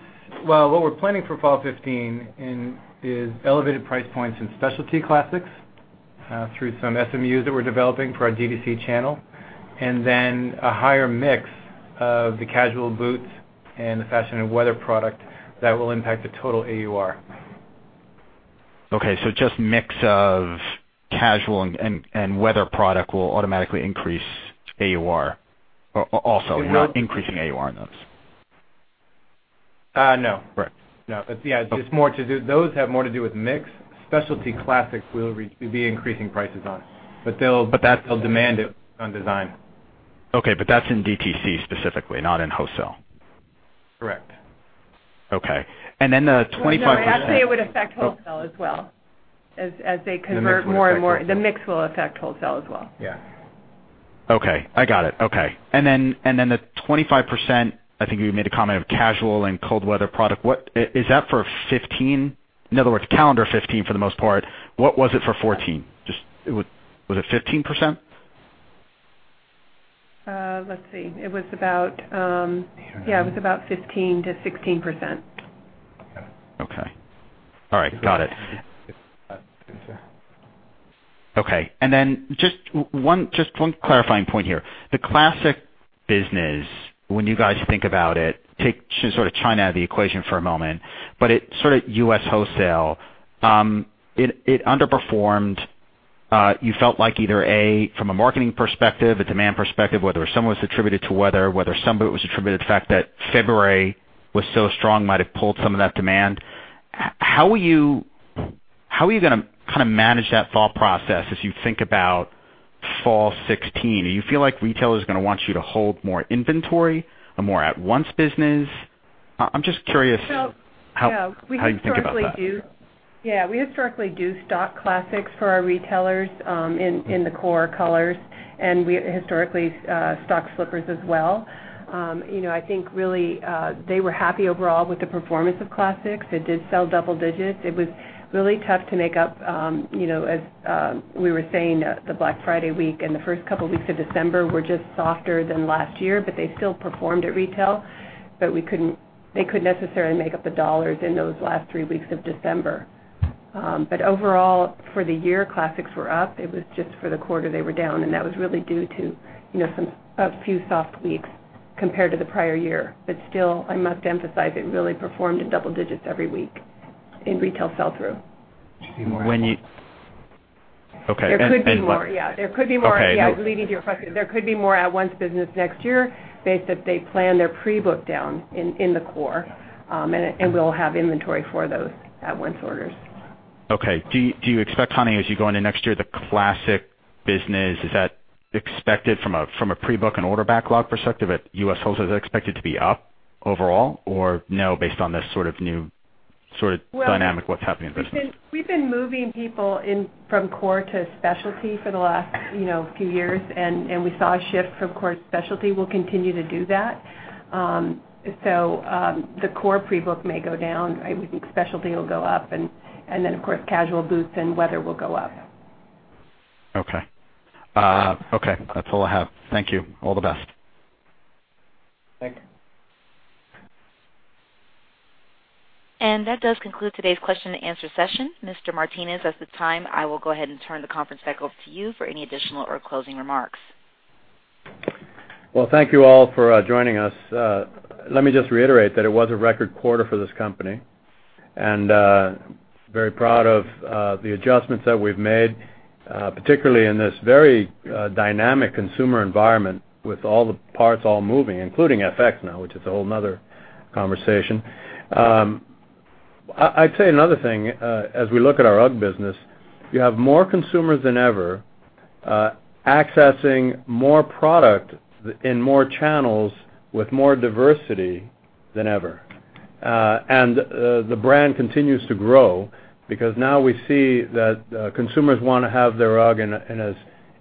Speaker 4: Well, what we're planning for fall 2015 is elevated price points in specialty classics through some SMUs that we're developing for our D2C channel, and then a higher mix of the casual boots and the fashion and weather product that will impact the total AUR.
Speaker 22: Okay, just mix of casual and weather product will automatically increase AUR also.
Speaker 4: No
Speaker 22: You're not increasing AUR on those?
Speaker 3: No. Correct. No. Yeah, those have more to do with mix. Specialty classics, we'll be increasing prices on. That demand is on design.
Speaker 22: Okay, that's in DTC specifically, not in wholesale.
Speaker 3: Correct.
Speaker 22: Okay. The 25%-
Speaker 9: No, actually, it would affect wholesale as well. As they convert more and more, the mix will affect wholesale as well.
Speaker 3: Yeah.
Speaker 22: Okay. I got it. Okay. The 25%, I think you made a comment of casual and cold weather product. Is that for 2015? In other words, calendar 2015 for the most part. What was it for 2014? Was it 15%?
Speaker 9: Let's see. It was about 15%-16%.
Speaker 22: Okay. All right. Got it. Okay, just one clarifying point here. The classic business, when you guys think about it, take sort of China out of the equation for a moment, at sort of U.S. wholesale, it underperformed. You felt like either, A, from a marketing perspective, a demand perspective, whether some of it was attributed to weather, whether some of it was attributed to the fact that February was so strong, might have pulled some of that demand. How are you going to kind of manage that thought process as you think about fall 2016? Do you feel like retailers are going to want you to hold more inventory, a more at-once business? I'm just curious how you think about that.
Speaker 9: Yeah, we historically do stock classics for our retailers in the core colors. We historically stock slippers as well. I think really, they were happy overall with the performance of classics. It did sell double digits. It was really tough to make up, as we were saying, the Black Friday week and the first couple weeks of December were just softer than last year. They still performed at retail, they couldn't necessarily make up the dollars in those last three weeks of December. Overall, for the year, classics were up. It was just for the quarter they were down, that was really due to a few soft weeks compared to the prior year. Still, I must emphasize, it really performed in double digits every week in retail sell-through.
Speaker 22: Okay.
Speaker 9: There could be more, yeah. Leading to your question, there could be more at-once business next year based if they plan their pre-book down in the core, and we'll have inventory for those at-once orders.
Speaker 22: Okay. Do you expect, Connie, as you go into next year, the classic business, is that expected from a pre-book and order backlog perspective at U.S. wholesale, is it expected to be up overall? Or no, based on this sort of new dynamic, what's happening in the business?
Speaker 9: We've been moving people from core to specialty for the last few years. We saw a shift from core to specialty. We'll continue to do that. The core pre-book may go down. I would think specialty will go up. Then, of course, casual boots and weather will go up.
Speaker 22: Okay. That's all I have. Thank you. All the best.
Speaker 3: Thank you.
Speaker 1: That does conclude today's question and answer session. Mr. Martinez, at this time, I will go ahead and turn the conference back over to you for any additional or closing remarks.
Speaker 3: Well, thank you all for joining us. Let me just reiterate that it was a record quarter for this company. Very proud of the adjustments that we've made, particularly in this very dynamic consumer environment with all the parts all moving, including FX now, which is a whole another conversation. I'd say another thing, as we look at our UGG business, you have more consumers than ever accessing more product in more channels with more diversity than ever. The brand continues to grow because now we see that consumers want to have their UGG in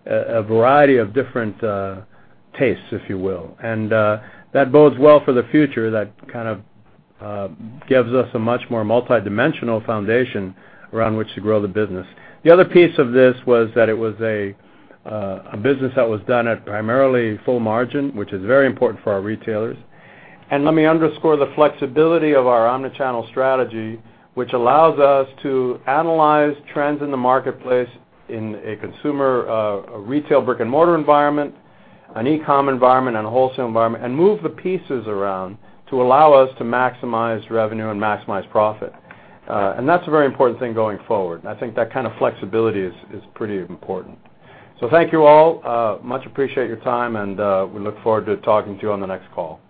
Speaker 3: a variety of different tastes, if you will. That bodes well for the future. That kind of gives us a much more multidimensional foundation around which to grow the business. The other piece of this was that it was a business that was done at primarily full margin, which is very important for our retailers. Let me underscore the flexibility of our omni-channel strategy, which allows us to analyze trends in the marketplace in a consumer retail brick-and-mortar environment, an e-com environment, and a wholesale environment, and move the pieces around to allow us to maximize revenue and maximize profit. That's a very important thing going forward. I think that kind of flexibility is pretty important. Thank you all. Much appreciate your time, and we look forward to talking to you on the next call.